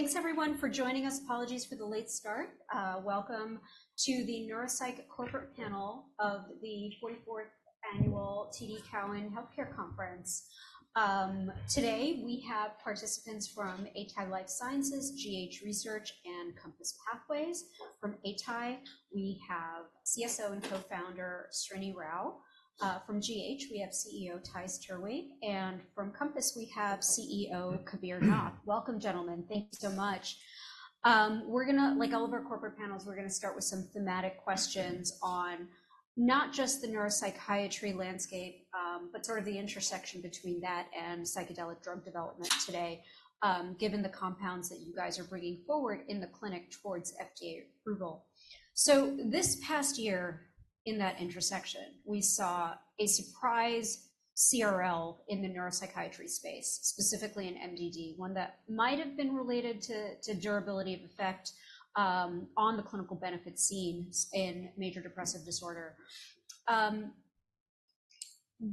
Thanks everyone for joining us. Apologies for the late start. Welcome to the Neuropsych Corporate Panel of the 44th Annual TD Cowen Healthcare Conference. Today, we have participants from atai Life Sciences, GH Research, and COMPASS Pathways. From atai, we have CSO and co-founder, Srini Rao. From GH, we have CEO, Theis Terwey, and from COMPASS, we have CEO, Kabir Nath. Welcome, gentlemen. Thank you so much. We're gonna—like all of our corporate panels, we're gonna start with some thematic questions on not just the neuropsychiatry landscape, but sort of the intersection between that and psychedelic drug development today, given the compounds that you guys are bringing forward in the clinic towards FDA approval. This past year, in that intersection, we saw a surprise CRL in the neuropsychiatry space, specifically in MDD, one that might have been related to durability of effect on the clinical benefit seen in major depressive disorder.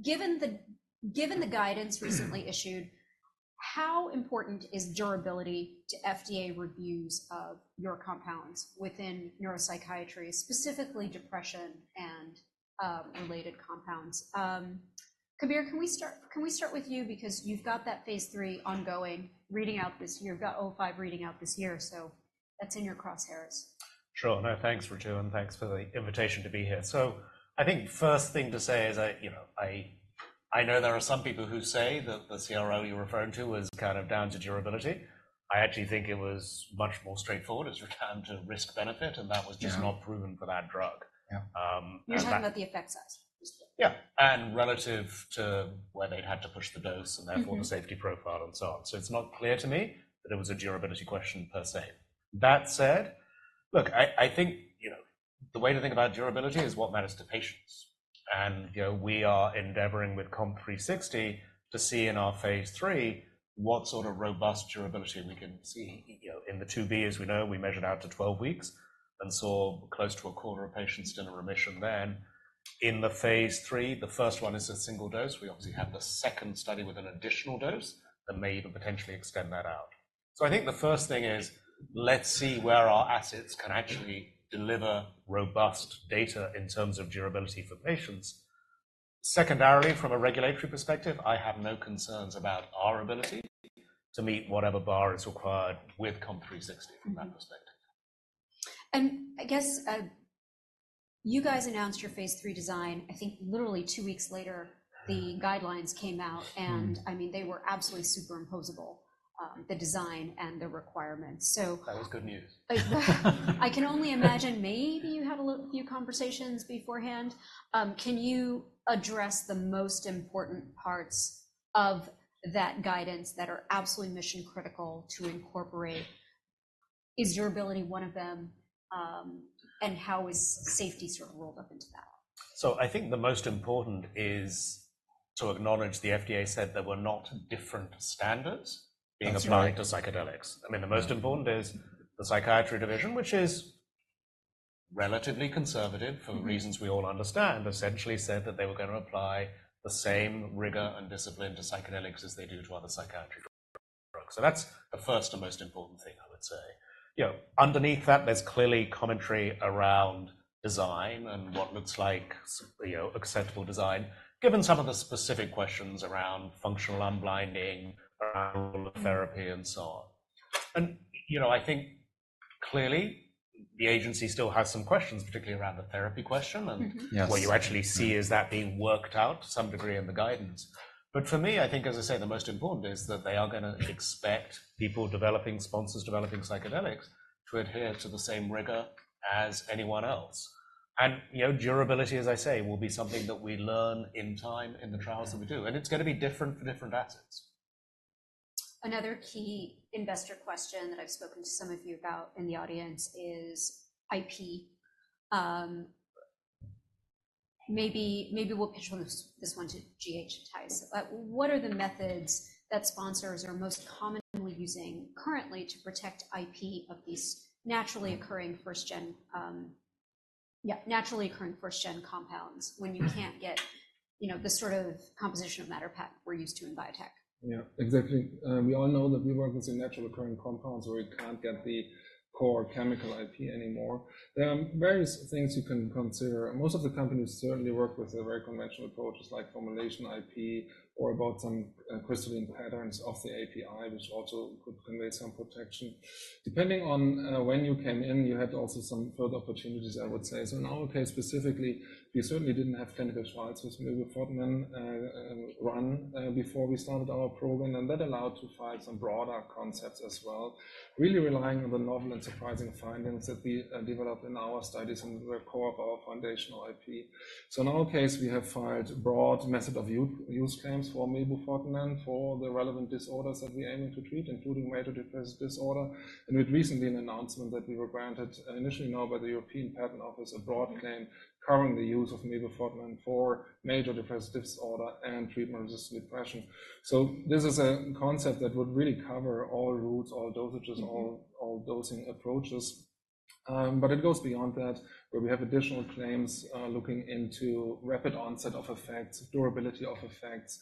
Given the guidance recently issued, how important is durability to FDA reviews of your compounds within neuropsychiatry, specifically depression and related compounds? Kabir, can we start with you? Because you've got that Phase III ongoing, reading out this year. You've got 05 reading out this year, so that's in your crosshairs. Sure. No, thanks, Ritu, and thanks for the invitation to be here. So I think first thing to say is I, you know, I, I know there are some people who say that the CRL you're referring to is kind of down to durability. I actually think it was much more straightforward as returned to risk-benefit, and that was just- Yeah... not proven for that drug. Yeah. and that- We're talking about the effect size. Yeah, and relative to where they'd had to push the dose and therefore- Mm-hmm... the safety profile and so on. So it's not clear to me that it was a durability question per se. That said, look, I think, you know, the way to think about durability is what matters to patients. And, you know, we are endeavoring with COMP360 to see in our Phase III what sort of robust durability we can see. You know, in the IIb, as we know, we measured out to 12 weeks and saw close to a quarter of patients in a remission then. In the Phase III, the first one is a single dose. We obviously have the second study with an additional dose that may even potentially extend that out. So I think the first thing is, let's see where our assets can actually deliver robust data in terms of durability for patients. Secondarily, from a regulatory perspective, I have no concerns about our ability to meet whatever bar is required with COMP360 from that perspective. I guess, you guys announced your Phase III design. I think literally 2 weeks later, the guidelines came out. I mean, they were absolutely superimposable, the design and the requirements. So- That was good news. I can only imagine maybe you had a little few conversations beforehand. Can you address the most important parts of that guidance that are absolutely mission-critical to incorporate? Is durability one of them, and how is safety sort of rolled up into that? I think the most important is to acknowledge the FDA said there were not different standards- That's right... being applied to psychedelics. I mean, the most important is the psychiatry division, which is relatively conservative for reasons we all understand. Essentially said that they were gonna apply the same rigor and discipline to psychedelics as they do to other psychiatric drugs. So that's the first and most important thing I would say. You know, underneath that, there's clearly commentary around design and what looks like, you know, acceptable design, given some of the specific questions around functional unblinding, around therapy, and so on. And, you know, I think clearly the agency still has some questions, particularly around the therapy question, and- Mm-hmm. Yes... what you actually see is that being worked out to some degree in the guidance. But for me, I think, as I say, the most important is that they are gonna expect people developing, sponsors developing psychedelics, to adhere to the same rigor as anyone else. And, you know, durability, as I say, will be something that we learn in time in the trials that we do, and it's gonna be different for different assets. Another key investor question that I've spoken to some of you about in the audience is IP. Maybe, maybe we'll pitch this, this one to GH and Theis. What are the methods that sponsors are most commonly using currently to protect IP of these naturally occurring first-gen, naturally occurring first-gen compounds, when you can't get, you know, the sort of composition of matter patent we're used to in biotech? Yeah, exactly. We all know that we work with the naturally occurring compounds, where we can't get the core chemical IP anymore. There are various things you can consider. Most of the companies certainly work with a very conventional approaches, like formulation IP or about some crystalline patterns of the API, which also could convey some protection. Depending on when you came in, you had also some further opportunities, I would say. So in our case, specifically, we certainly didn't have clinical trials with mebufotenin run before we started our program, and that allowed to file some broader concepts as well. Really relying on the novel and surprising findings that we developed in our studies and were core of our foundational IP. In our case, we have filed a broad method of use claims for mebufotenin for the relevant disorders that we're aiming to treat, including major depressive disorder. We've recently made an announcement that we were granted initially now by the European Patent Office, a broad claim covering the use of mebufotenin for major depressive disorder and treatment of resistant depression. This is a concept that would really cover all routes, all dosages-... all, all dosing approaches.... But it goes beyond that, where we have additional claims, looking into rapid onset of effects, durability of effects,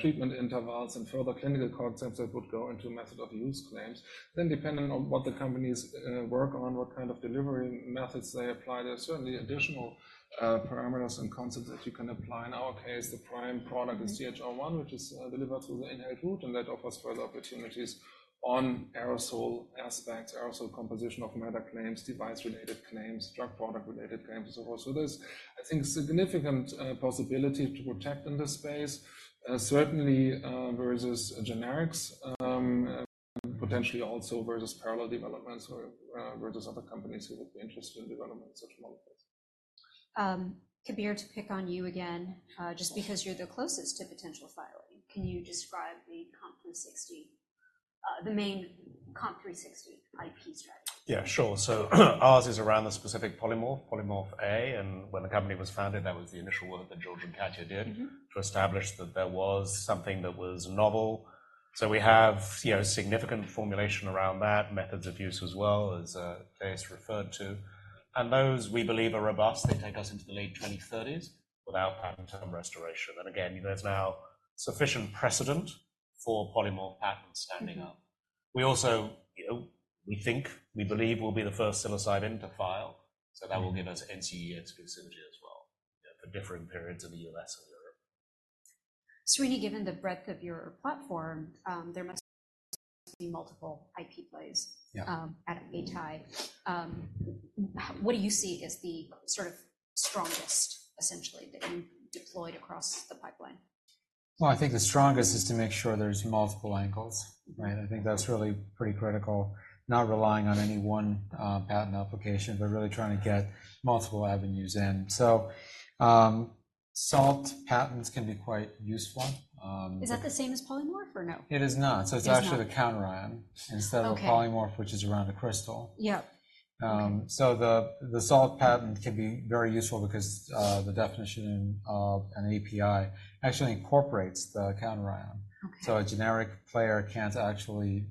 treatment intervals, and further clinical concepts that would go into method of use claims. Then, depending on what the companies work on, what kind of delivery methods they apply, there are certainly additional parameters and concepts that you can apply. In our case, the prime product is GH001, which is delivered through the inhaled route, and that offers further opportunities on aerosol aspects, aerosol composition of matter claims, device-related claims, drug product-related claims, and so forth. So there's, I think, significant possibility to protect in this space, certainly versus generics, potentially also versus parallel developments or versus other companies who would be interested in development such molecules. Kabir, to pick on you again, just because you're the closest to potential filing, can you describe the COMP360, the main COMP360 IP strategy? Yeah, sure. Ours is around the specific polymorph, Polymorph A, and when the company was founded, that was the initial work that George and Katja did. Mm-hmm. To establish that there was something that was novel. So we have, you know, significant formulation around that, methods of use as well, as Theis referred to, and those, we believe, are robust. They take us into the late 2030s with our patent term restoration. And again, there's now sufficient precedent for polymorph patents standing up. We also, you know, we think, we believe we'll be the first psilocybin to file, so that will give us NCE exclusivity as well for differing periods in the U.S. and Europe. Srini, given the breadth of your platform, there must be multiple IP plays- Yeah. - at atai. What do you see as the sort of strongest, essentially, that you've deployed across the pipeline? Well, I think the strongest is to make sure there's multiple angles, right? I think that's really pretty critical, not relying on any one patent application, but really trying to get multiple avenues in. So, salt patents can be quite useful. Is that the same as polymorph or no? It is not. It's not. So it's actually the counter ion- Okay. - instead of the Polymorph, which is around the crystal. Yep. So the salt patent can be very useful because the definition of an API actually incorporates the counter ion. Okay. So a generic player can't actually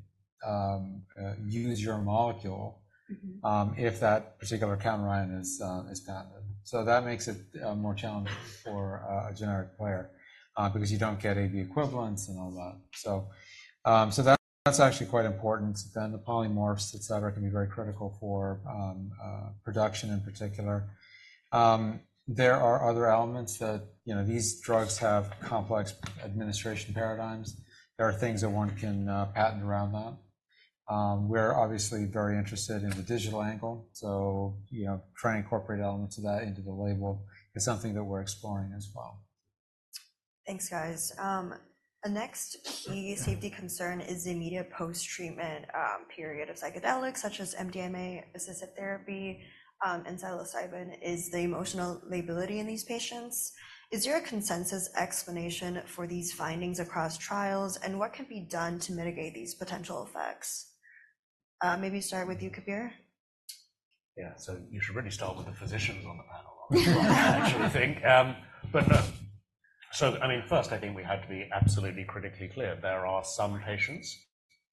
use your molecule- Mm-hmm If that particular counter ion is patented. So that makes it more challenging for a generic player, because you don't get AB equivalents and all that. So, so that, that's actually quite important. Then the polymorphs, et cetera, can be very critical for production in particular. There are other elements that, you know, these drugs have complex administration paradigms. There are things that one can patent around that. We're obviously very interested in the digital angle, so, you know, try and incorporate elements of that into the label is something that we're exploring as well. Thanks, guys. The next key safety concern is the immediate post-treatment period of psychedelics, such as MDMA-assisted therapy, and psilocybin is the emotional lability in these patients. Is there a consensus explanation for these findings across trials, and what can be done to mitigate these potential effects? Maybe start with you, Kabir. Yeah. So you should really start with the physicians on the panel. I actually think. But I mean, first, I think we have to be absolutely critically clear. There are some patients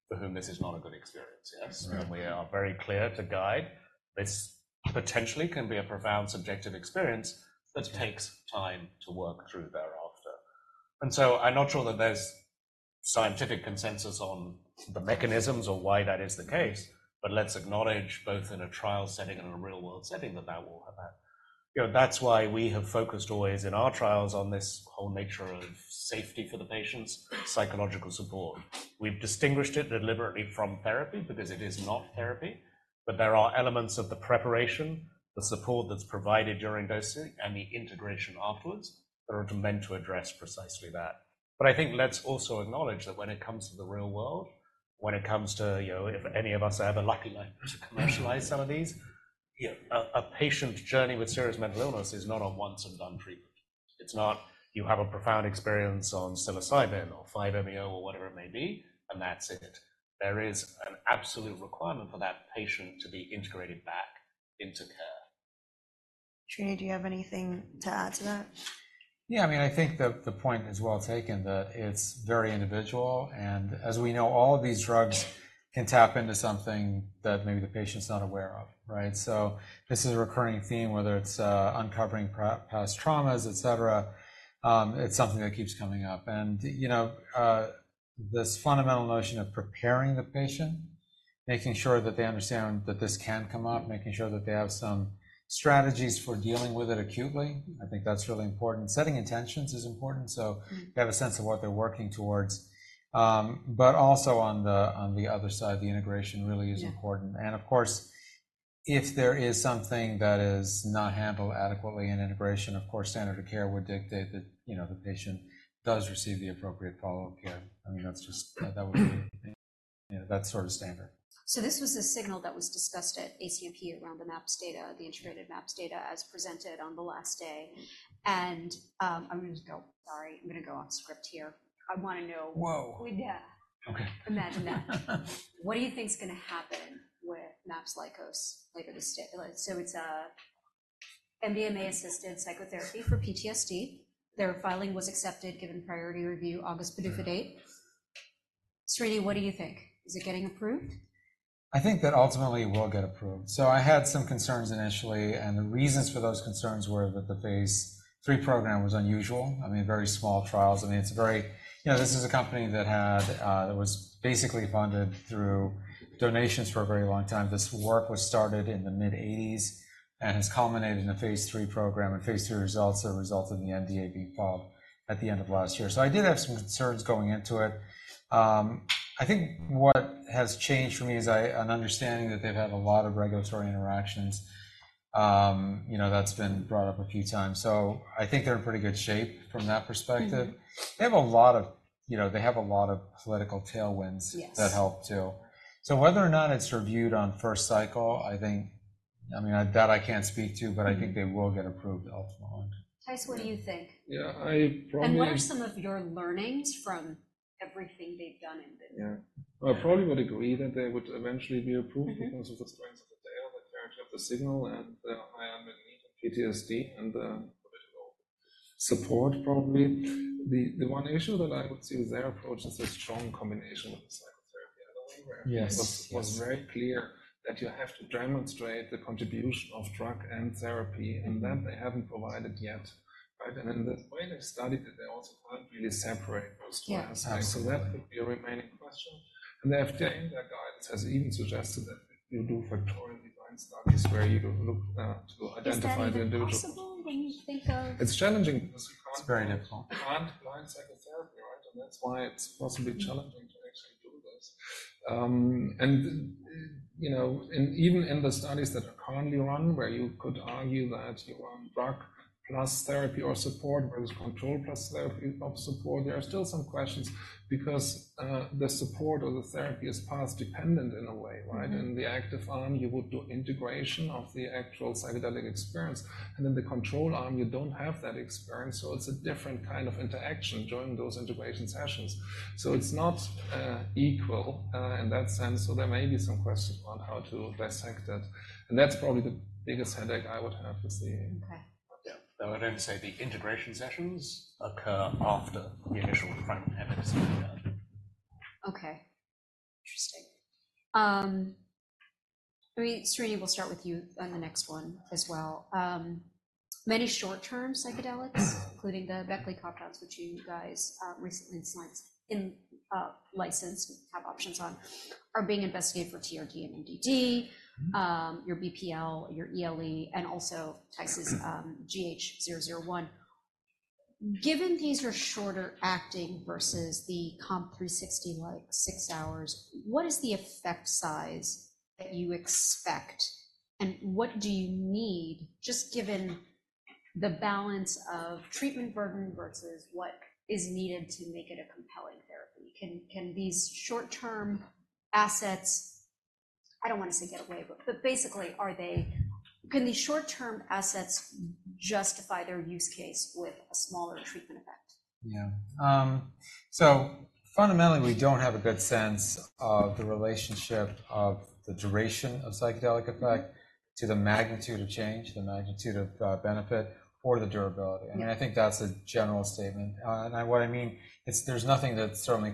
for whom this is not a good experience. Yes? Mm-hmm. We are very clear to guide. This potentially can be a profound subjective experience that takes time to work through thereafter. And so I'm not sure that there's scientific consensus on the mechanisms or why that is the case, but let's acknowledge, both in a trial setting and in a real-world setting, that that will happen. You know, that's why we have focused always in our trials on this whole nature of safety for the patients, psychological support. We've distinguished it deliberately from therapy because it is not therapy, but there are elements of the preparation, the support that's provided during dosing, and the integration afterwards that are meant to address precisely that. But I think let's also acknowledge that when it comes to the real world, when it comes to, you know, if any of us are ever lucky enough to commercialize some of these, you know, a patient journey with serious mental illness is not a once and done treatment. It's not you have a profound experience on psilocybin or 5-MeO or whatever it may be, and that's it. There is an absolute requirement for that patient to be integrated back into care. Srini, do you have anything to add to that? Yeah, I mean, I think the point is well taken, that it's very individual, and as we know, all of these drugs can tap into something that maybe the patient's not aware of, right? So this is a recurring theme, whether it's uncovering past traumas, et cetera, it's something that keeps coming up. You know, this fundamental notion of preparing the patient, making sure that they understand that this can come up, making sure that they have some strategies for dealing with it acutely, I think that's really important. Setting intentions is important, so- Mm-hmm... they have a sense of what they're working towards. But also on the other side, the integration really is important. Yeah. Of course, if there is something that is not handled adequately in integration, of course, standard of care would dictate that, you know, the patient does receive the appropriate follow-up care. I mean, that's just, that would be, you know, that sort of standard. So this was a signal that was discussed at ACNP around the MAPS data, the integrated MAPS data, as presented on the last day. And, I'm going to go... Sorry, I'm going to go off script here. I want to know- Whoa! Yeah. Okay. Imagine that. What do you think is going to happen with MAPS Lykos later this day? So it's a MDMA-assisted psychotherapy for PTSD. Their filing was accepted, given priority review August PDUFA date. Srini, what do you think? Is it getting approved? I think that ultimately it will get approved. So I had some concerns initially, and the reasons for those concerns were that the Phase III program was unusual. I mean, very small trials. I mean, it's very. You know, this is a company that had that was basically funded through donations for a very long time. This work was started in the mid-1980s and has culminated in a Phase III program, and Phase III results are a result of the NDA being filed at the end of last year. So I did have some concerns going into it. I think what has changed for me is an understanding that they've had a lot of regulatory interactions. You know, that's been brought up a few times. So I think they're in pretty good shape from that perspective. Mm-hmm. They have a lot of, you know, they have a lot of political tailwinds- Yes. That help, too. So whether or not it's reviewed on first cycle, I think... I mean, that I can't speak to, but I think they will get approved ultimately. Theis, what do you think? Yeah, I probably- What are some of your learnings from everything they've done in this? Yeah. I probably would agree that they would eventually be approved because of the strengths of the data, the character of the signal, and the high unmet need in PTSD, and the provisional support, probably. The one issue that I would see with their approach is a strong combination with psychotherapy. Yes. It was very clear that you have to demonstrate the contribution of drug and therapy, and that they haven't provided yet, right? And then the way they studied it, they also can't really separate those two. Yeah. That could be a remaining question. They have, their guidance has even suggested that you do Factorial Design studies where you look, to identify the individual. Is that even possible when you think of- It's challenging because you can't- It's very difficult. You can't blind psychotherapy, right? And that's why it's possibly challenging to actually do this. You know, and even in the studies that are currently run, where you could argue that you run drug plus therapy or support versus control plus therapy or support, there are still some questions because the support or the therapy is path dependent in a way, right? Mm-hmm. In the active arm, you would do integration of the actual psychedelic experience, and in the control arm, you don't have that experience, so it's a different kind of interaction during those integration sessions. So it's not equal in that sense. So there may be some questions on how to dissect that, and that's probably the biggest headache I would have with the... Okay. Yeah. Though I'd only say the integration sessions occur after the initial front end is done. Okay. Interesting. Srini, we'll start with you on the next one as well. Many short-term psychedelics, including the Beckley compounds, which you guys recently signed a license, have options on, are being investigated for TRD and MDD, your BPL, your ELE, and also Theis's GH001. Given these are shorter acting versus the COMP360, like six hours, what is the effect size that you expect, and what do you need, just given the balance of treatment burden versus what is needed to make it a compelling therapy? Can these short-term assets, I don't want to say get away, but basically, are they, can these short-term assets justify their use case with a smaller treatment effect? Yeah. So fundamentally, we don't have a good sense of the relationship of the duration of psychedelic effect to the magnitude of change, the magnitude of benefit, or the durability. Yeah. I mean, I think that's a general statement. And what I mean is there's nothing that certainly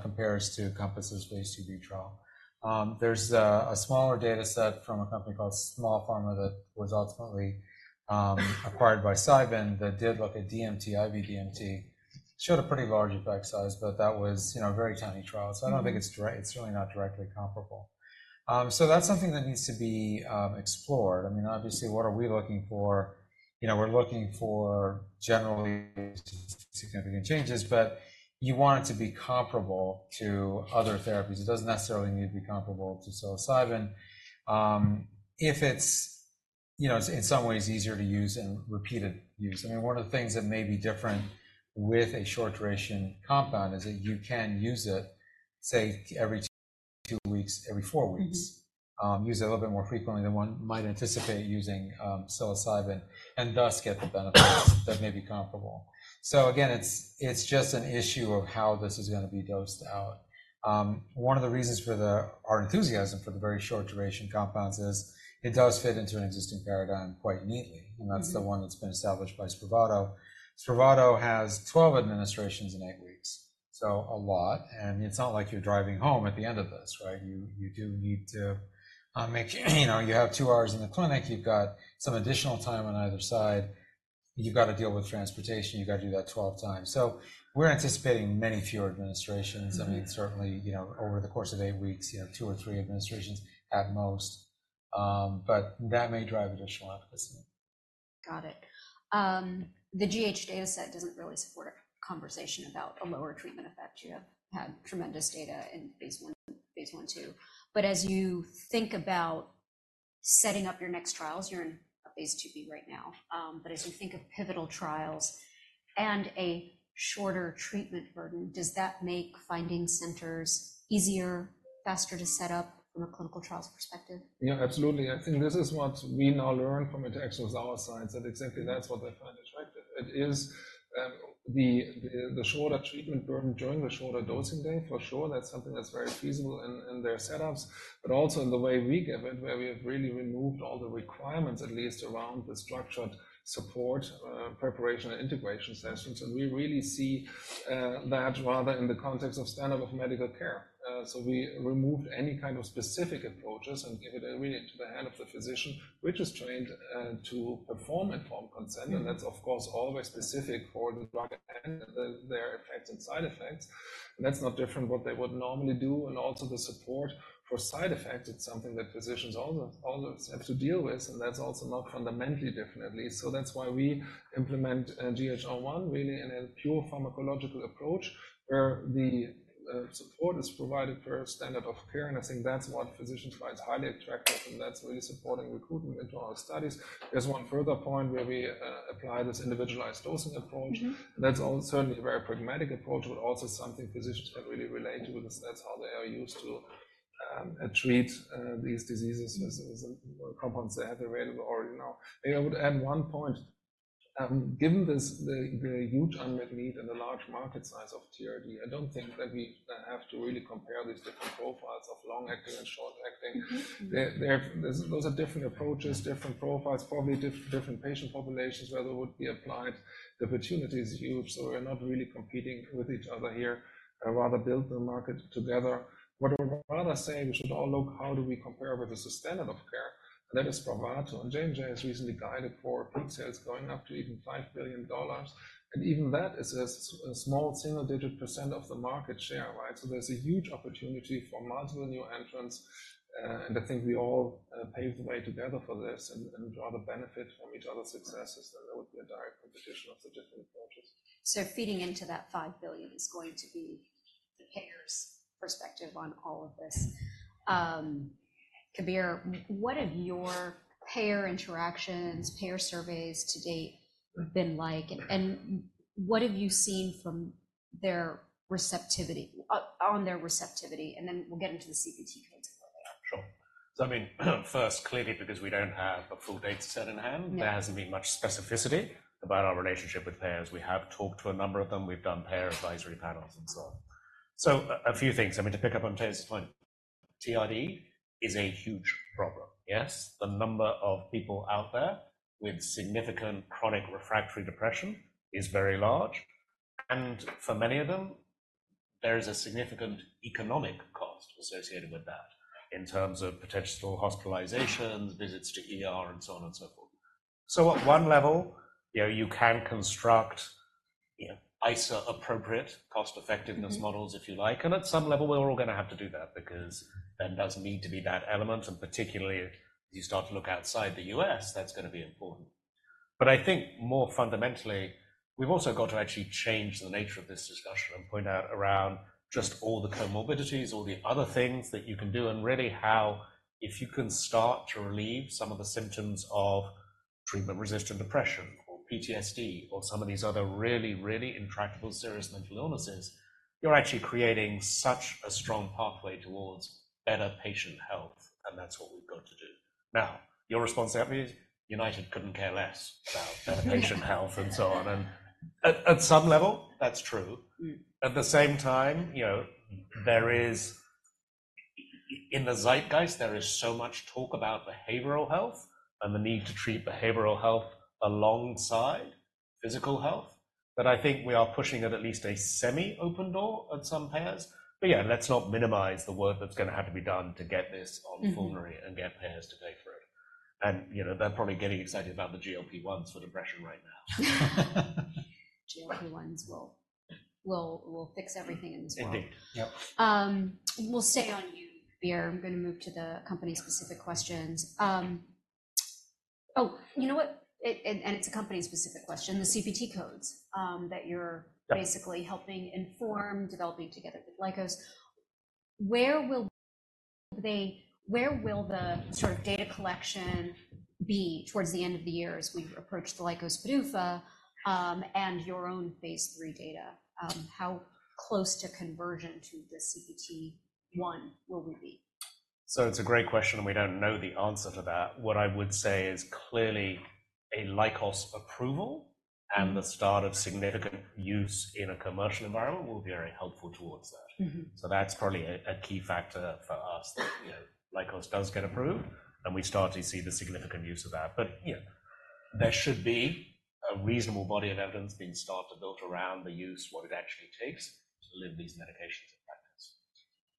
compares to Compass's Phase IIb trial. There's a smaller data set from a company called Small Pharma that was ultimately acquired by Cybin that did like a DMT, IV DMT. Showed a pretty large effect size, but that was, you know, a very tiny trial. Mm-hmm. So I don't think it's direct. It's really not directly comparable. So that's something that needs to be explored. I mean, obviously, what are we looking for? You know, we're looking for generally significant changes, but you want it to be comparable to other therapies. It doesn't necessarily need to be comparable to psilocybin. If it's, you know, in some ways easier to use and repeated use. I mean, one of the things that may be different with a short duration compound is that you can use it, say, every two weeks, every four weeks, use it a little bit more frequently than one might anticipate using psilocybin, and thus get the benefits that may be comparable. So again, it's just an issue of how this is gonna be dosed out. One of the reasons for our enthusiasm for the very short duration compounds is it does fit into an existing paradigm quite neatly. Mm-hmm. That's the one that's been established by Spravato. Spravato has 12 administrations in 8 weeks, so a lot, and it's not like you're driving home at the end of this, right? You do need to make, you know, you have 2 hours in the clinic, you've got some additional time on either side. You've got to deal with transportation, you've got to do that 12 times. So we're anticipating many fewer administrations. Mm-hmm. I mean, certainly, you know, over the course of eight weeks, you know, two or three administrations at most, but that may drive additional optimism. Got it. The GH data set doesn't really support a conversation about a lower treatment effect. You have had tremendous data in Phase I, Phase II. But as you think about setting up your next trials, you're in a Phase IIb right now, but as you think of pivotal trials and a shorter treatment burden, does that make finding centers easier, faster to set up from a clinical trials perspective? Yeah, absolutely. I think this is what we now learn from Intexo's our side, that exactly that's what they find attractive. It is, the shorter treatment burden during the shorter dosing day, for sure, that's something that's very feasible in their setups, but also in the way we give it, where we have really removed all the requirements, at least around the structured support, preparation and integration sessions. And we really see that rather in the context of standard of medical care. So we removed any kind of specific approaches and give it really to the hand of the physician, which is trained to perform informed consent. And that's, of course, always specific for the drug and the their effects and side effects. And that's not different what they would normally do, and also the support for side effects. It's something that physicians always, always have to deal with, and that's also not fundamentally differently. So that's why we implement GH001, really in a pure pharmacological approach, where the support is provided for standard of care, and I think that's what physicians find highly attractive, and that's really supporting recruitment into our studies. There's one further point where we apply this individualized dosing approach. Mm-hmm. That's certainly a very pragmatic approach, but also something physicians can really relate with. That's how they are used to treat these diseases with compounds they had available already now. I would add one point. Given this, the huge unmet need and the large market size of TRD, I don't think that we have to really compare these different profiles of long-acting and short-acting. Mm-hmm. Those are different approaches, different profiles, probably different patient populations, where they would be applied. The opportunity is huge, so we're not really competing with each other here, rather build the market together. What we're rather saying, we should all look how do we compare with the standard of care, and that is Spravato. And J&J has recently guided for peak sales going up to even $5 billion, and even that is a small single-digit % of the market share, right? So there's a huge opportunity for multiple new entrants, and I think we all pave the way together for this and rather benefit from each other's successes than there would be a direct competition of the different approaches. So feeding into that $5 billion is going to be the payer's perspective on all of this. Kabir, what have your payer interactions, payer surveys to date been like, and what have you seen from their receptivity, on their receptivity? And then we'll get into the CPT codes a little bit. Sure. So I mean, first, clearly, because we don't have a full data set in hand- Yeah. There hasn't been much specificity about our relationship with payers. We have talked to a number of them, we've done payer advisory panels and so on. So a, a few things, I mean, to pick up on Theis point, TRD is a huge problem. Yes, the number of people out there with significant chronic refractory depression is very large, and for many of them, there is a significant economic cost associated with that in terms of potential hospitalizations, visits to ER, and so on and so forth. So at one level, you know, you can construct, you know, ICER appropriate cost-effectiveness models- Mm-hmm. If you like, and at some level, we're all gonna have to do that because there does need to be that element, and particularly as you start to look outside the U.S., that's gonna be important. But I think more fundamentally, we've also got to actually change the nature of this discussion and point out around just all the comorbidities or the other things that you can do, and really how if you can start to relieve some of the symptoms of treatment-resistant depression or PTSD or some of these other really, really intractable, serious mental illnesses, you're actually creating such a strong pathway towards better patient health, and that's what we've got to do. Now, your response to that is, United couldn't care less about patient health and so on. And at some level, that's true. Mm. At the same time, you know, there is... In the zeitgeist, there is so much talk about behavioral health and the need to treat behavioral health alongside physical health, that I think we are pushing at least a semi-open door on some payers. But yeah, let's not minimize the work that's gonna have to be done to get this on formulary- Mm-hmm. and get payers to pay for it. You know, they're probably getting excited about the GLP-1 sort of pressure right now. GLP-1s will fix everything in this world. I think. Yep. We'll stay on you, Kabir. I'm gonna move to the company-specific questions. Oh, you know what? It's a company-specific question, the CPT codes, that you're- Yeah... basically helping inform, developing together with Lykos. Where will the sort of data collection be towards the end of the year as we approach the Lykos PDUFA, and your own Phase III data? How close to conversion to the CPT I will we be? It's a great question, and we don't know the answer to that. What I would say is clearly a Lykos approval- Mm... and the start of significant use in a commercial environment will be very helpful towards that. Mm-hmm. So that's probably a key factor for us- Mm that, you know, Lykos does get approved, and we start to see the significant use of that. But, yeah, there should be a reasonable body of evidence being started to build around the use, what it actually takes to deliver these medications and practice.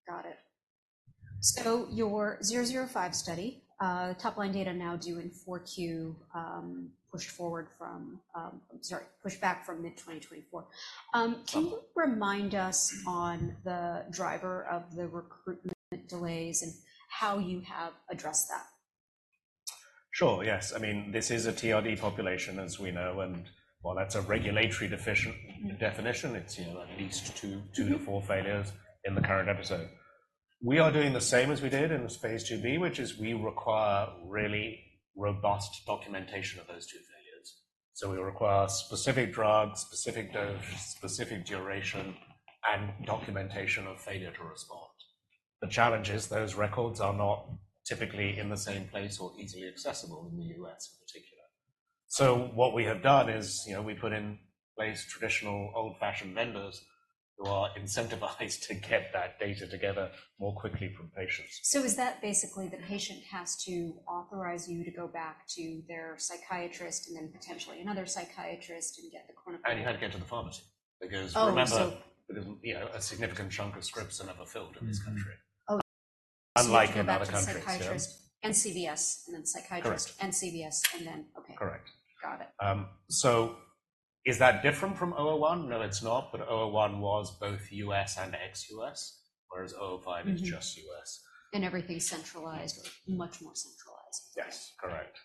Got it. So your 005 study, top-line data now due in Q4, pushed forward from, sorry, pushed back from mid-2024. Can you remind us on the driver of the recruitment delays and how you have addressed that? Sure. Yes. I mean, this is a TRD population, as we know, and well, that's a regulatory definition. It's, you know, at least two, 2-4 failures- Mm In the current episode. We are doing the same as we did in the Phase IIb, which is we require really robust documentation of those two failures. So we require specific drugs, specific dose, specific duration, and documentation of failure to respond. The challenge is those records are not typically in the same place or easily accessible in the U.S. in particular. So what we have done is, you know, we put in place traditional old-fashioned vendors who are incentivized to get that data together more quickly from patients. Is that basically the patient has to authorize you to go back to their psychiatrist and then potentially another psychiatrist and get the chronic-? You had to go to the pharmacy because- Oh, so- Remember, you know, a significant chunk of scripts are never filled in this country. Mm-hmm. Oh-... unlike in other countries. psychiatrist and CVS, and then psychiatrist Correct. CVS, and then, okay. Correct. Got it. Is that different from 001? No, it's not. But 001 was both U.S. and ex-U.S., whereas 005- Mm-hmm. is just U.S. Everything centralized, or much more centralized. Yes, correct.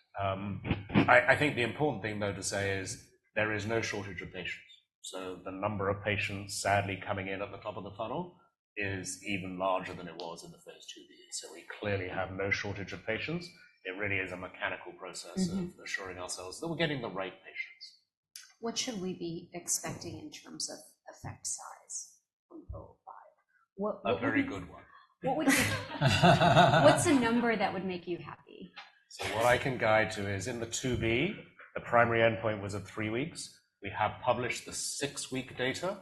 I think the important thing, though, to say is there is no shortage of patients. So the number of patients sadly coming in at the top of the funnel is even larger than it was in the first two years. So we clearly have no shortage of patients. It really is a mechanical process- Mm-hmm. of assuring ourselves that we're getting the right patients. What should we be expecting in terms of effect size from 005? A very good one. What's a number that would make you happy? So what I can guide to is in the IIb, the primary endpoint was at 3 weeks. We have published the 6-week data,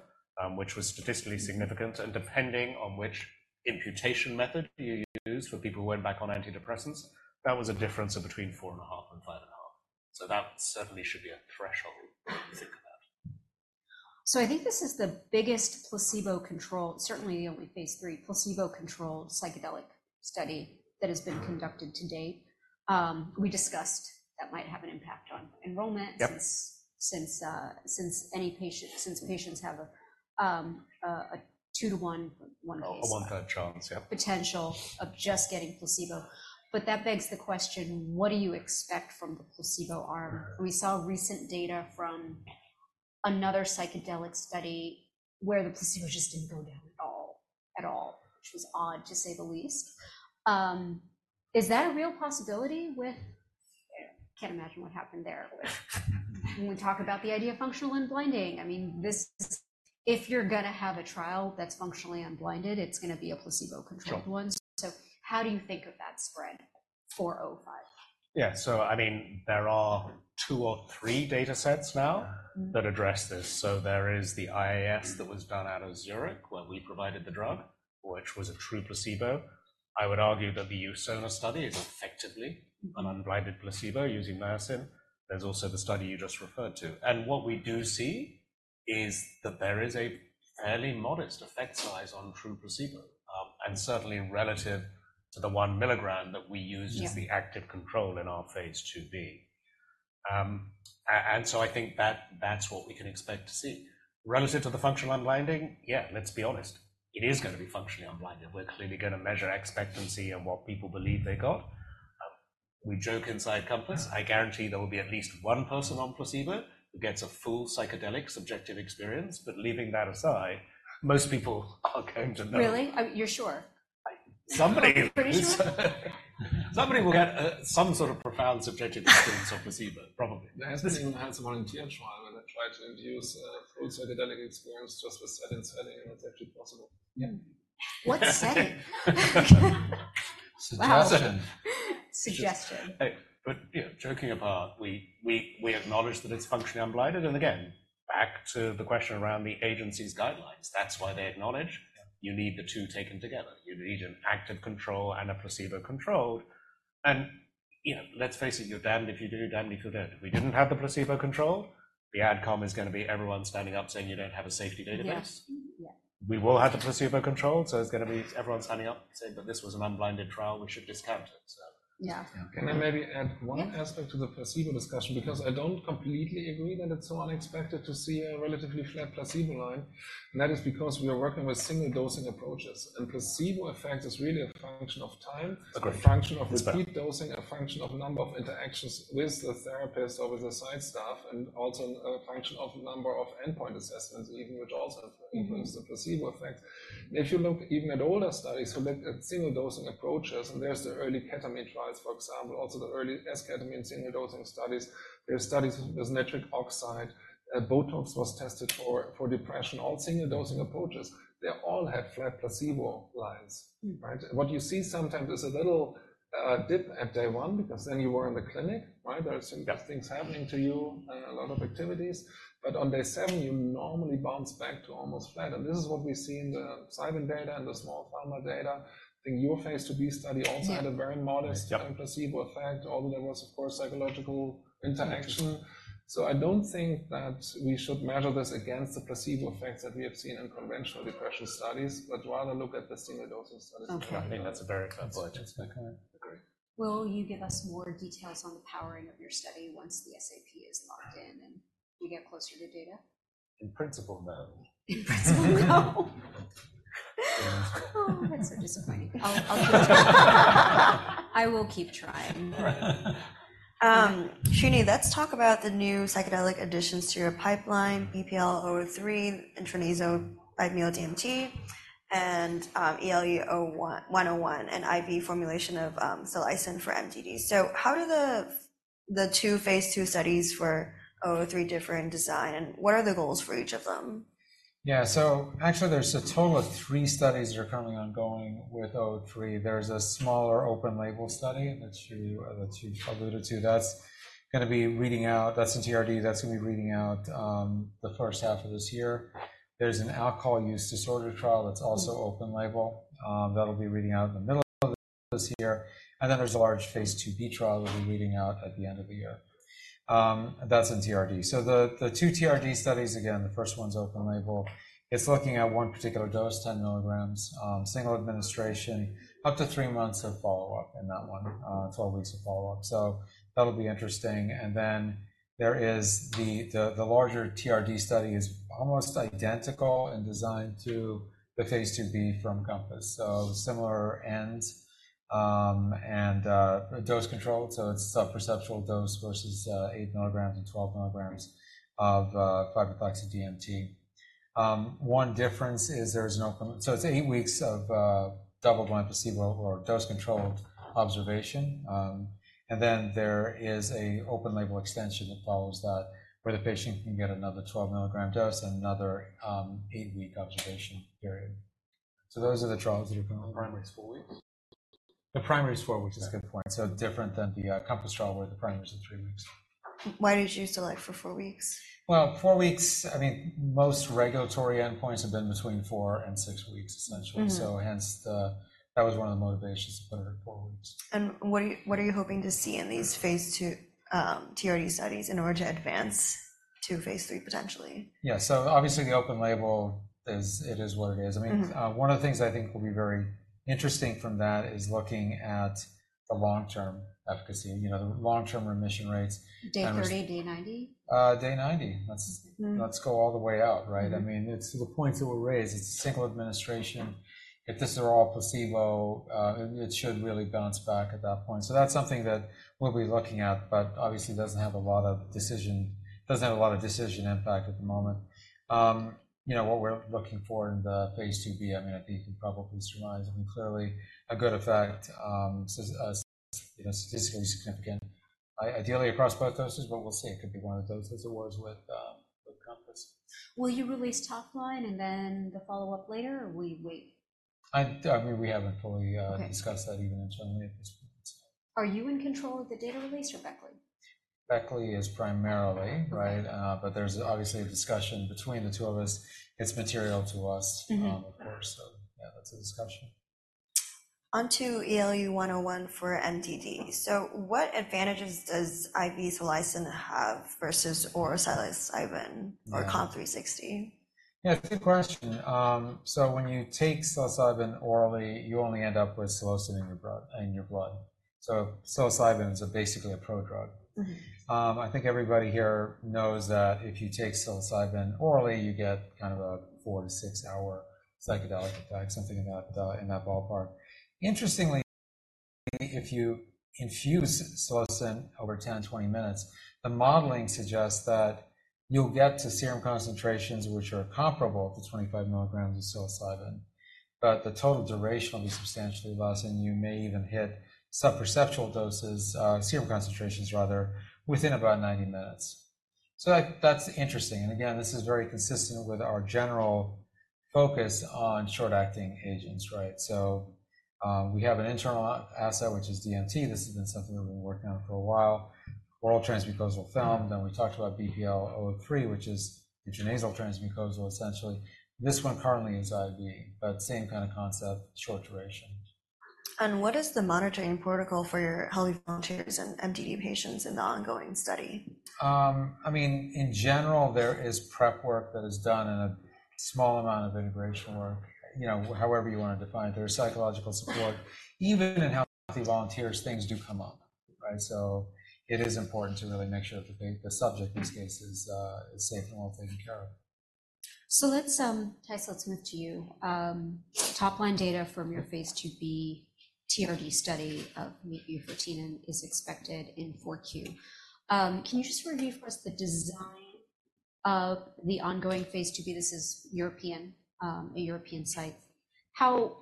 which was statistically significant, and depending on which imputation method you use for people who went back on antidepressants, that was a difference of between 4.5 and 5.5. So that certainly should be a threshold to think about. I think this is the biggest placebo-controlled, certainly only Phase III placebo-controlled psychedelic study that has been conducted to date. We discussed that might have an impact on enrollment- Yep... since patients have a 2-to-1, one- A 1/3 chance, yeah. Potential of just getting placebo. But that begs the question: what do you expect from the placebo arm? We saw recent data from another psychedelic study where the placebo just didn't go down at all. At all, which was odd, to say the least. Is that a real possibility with...? Can't imagine what happened there with. When we talk about the idea of functional unblinding, I mean, this is, if you're gonna have a trial that's functionally unblinded, it's gonna be a placebo-controlled one. Sure. How do you think of that spread for 005? Yeah. So I mean, there are two or three data sets now- Mm-hmm. -that address this. So there is the IIS that was done out of Zurich, where we provided the drug, which was a true placebo. I would argue that the Usona study is effectively an unblinded placebo using niacin. There's also the study you just referred to. And what we do see is that there is a fairly modest effect size on true placebo, and certainly relative to the 1 mg that we use- Yeah... as the active control in our Phase IIb. And so I think that's what we can expect to see. Relative to the functional unblinding, yeah, let's be honest, it is gonna be functionally unblinded. We're clearly gonna measure expectancy and what people believe they got. We joke inside Compass. I guarantee there will be at least one person on placebo who gets a full psychedelic subjective experience. But leaving that aside, most people are going to know. Really? You're sure? Somebody is. Pretty sure? Somebody will get some sort of profound subjective experience of placebo, probably. May I also add, someone in trial, and they tried to induce full psychedelic experience just with set and setting, and it's actually possible. Yeah. What setting? Setting. Wow! Suggestion. Suggestion. But, you know, joking apart, we acknowledge that it's functionally unblinded. And again, back to the question around the agency's guidelines. That's why they acknowledge you need the two taken together. You need an active control and a placebo control. And, you know, let's face it, you're damned if you do, damned if you don't. If we didn't have the placebo control, the ad com is gonna be everyone standing up saying you don't have a safety database. Yes. Yeah. We will have the placebo control, so it's gonna be everyone standing up saying that this was an unblinded trial, we should discount it, so. Yeah. Can I maybe add one aspect to the placebo discussion? Because I don't completely agree that it's so unexpected to see a relatively flat placebo line, and that is because we are working with single-dosing approaches. And placebo effect is really a function of time- Agreed. a function of speed dosing, a function of number of interactions with the therapist or with the site staff, and also a function of number of endpoint assessments, even, which also- Mm-hmm... influence the placebo effect. If you look even at older studies, so that at single-dosing approaches, and there's the early ketamine trials, for example, also the early esketamine single-dosing studies. There are studies with nitric oxide. Botox was tested for, for depression. All single-dosing approaches, they all had flat placebo lines, right? What you see sometimes is a little, dip at day 1, because then you are in the clinic, right? There are some things happening to you, a lot of activities. But on day 7, you normally bounce back to almost flat. And this is what we see in the psilocin data and the Small Pharma data. I think your Phase IIb study also- Yeah... had a very modest- Yeah... placebo effect, although there was, of course, psychological interaction. I don't think that we should measure this against the placebo effects that we have seen in conventional depression studies, but rather look at the single-dosing studies. Okay. I think that's a very fair point. I agree. Will you give us more details on the powering of your study once the SAP is locked in and you get closer to data? In principle, no. In principle, no? Oh, that's so disappointing. I'll, I will keep trying. Srini, let's talk about the new psychedelic additions to your pipeline, BPL-003, intranasal 5-MeO-DMT, and ELE-101, an IV formulation of psilocin for MDD. So how do the two Phase II studies for 003 differ in design, and what are the goals for each of them? Yeah. So actually, there's a total of three studies that are currently ongoing with BPL-003. There's a smaller open-label study that you, that you've alluded to. That's gonna be reading out. That's in TRD. That's gonna be reading out, the first half of this year. There's an alcohol use disorder trial that's also open-label. That'll be reading out in the middle of this year. And then there's a large Phase IIb trial that will be reading out at the end of the year. That's in TRD. So the, the two TRD studies, again, the first one's open-label. It's looking at one particular dose, 10 mg, single administration, up to three months of follow-up in that one, twelve weeks of follow-up. So that'll be interesting. And then-... There is the larger TRD study is almost identical in design to the Phase IIb from Compass. So similar ends, and dose controlled, so it's sub-perceptual dose versus 8 mg and 12 mg of 5-methoxy-DMT. One difference is there's no com-- So it's eight weeks of double blind placebo or dose-controlled observation. And then there is a open label extension that follows that, where the patient can get another 12 mg dose and another eight-week observation period. So those are the trials that are coming. The primary is 4 weeks? The primary is four weeks, that's a good point. So different than the Compass trial, where the primary is three weeks. Why did you choose to, like, for four weeks? Well, 4 weeks, I mean, most regulatory endpoints have been between 4 and 6 weeks, essentially. Mm-hmm. So hence, that was one of the motivations to put it at four weeks. What are you hoping to see in these Phase II, TRD studies in order to advance to Phase III, potentially? Yeah. So obviously, the open label is, it is what it is. Mm-hmm. I mean, one of the things I think will be very interesting from that is looking at the long-term efficacy, you know, the long-term remission rates. Day 30, day 90? Day 90. Let's- Mm. Let's go all the way out, right? Mm-hmm. I mean, it's to the point that we're raised, it's a single administration. If these are all placebo, it should really bounce back at that point. So that's something that we'll be looking at, but obviously, doesn't have a lot of decision, doesn't have a lot of decision impact at the moment. You know, what we're looking for in the Phase IIb, I mean, you can probably surmise. I mean, clearly, a good effect, you know, statistically significant. Ideally across both doses, but we'll see. It could be one of the doses as it was with, with Compass. Will you release top line, and then the follow-up later, or will we wait? I mean, we haven't fully Okay... discussed that even internally at this point, so. Are you in control of the data release or Beckley? Beckley is primarily, right? Mm-hmm. there's obviously a discussion between the two of us. It's material to us. Mm-hmm... of course. So yeah, that's a discussion. On to ELE-101 for MDD. So what advantages does IV psilocin have versus oral psilocybin- Yeah - or COMP360? Yeah, good question. So when you take Psilocybin orally, you only end up with Psilocin in your blood. So Psilocybin is basically a prodrug. Mm-hmm. I think everybody here knows that if you take psilocybin orally, you get kind of a 4-6-hour psychedelic effect, something in that ballpark. Interestingly, if you infuse psilocin over 10-20 minutes, the modeling suggests that you'll get to serum concentrations which are comparable to 25 mg of psilocybin, but the total duration will be substantially less, and you may even hit sub-perceptual doses, serum concentrations rather, within about 90 minutes. So that's interesting. And again, this is very consistent with our general focus on short-acting agents, right? So, we have an internal asset, which is DMT. This has been something that we've been working on for a while. Oral transmucosal film, then we talked about BPL-003, which is intranasal transmucosal, essentially. This one currently is IV, but same kind of concept, short duration. What is the monitoring protocol for your healthy volunteers and MDD patients in the ongoing study? I mean, in general, there is prep work that is done and a small amount of integration work. You know, however you want to define it. There is psychological support. Even in healthy volunteers, things do come up, right? So it is important to really make sure that the subject in this case is safe and well taken care of. So let's, Theis, let's move to you. Top line data from your Phase IIb TRD study of mebufotenin is expected in 4Q. Can you just review for us the design of the ongoing Phase IIb, this is European, a European site? How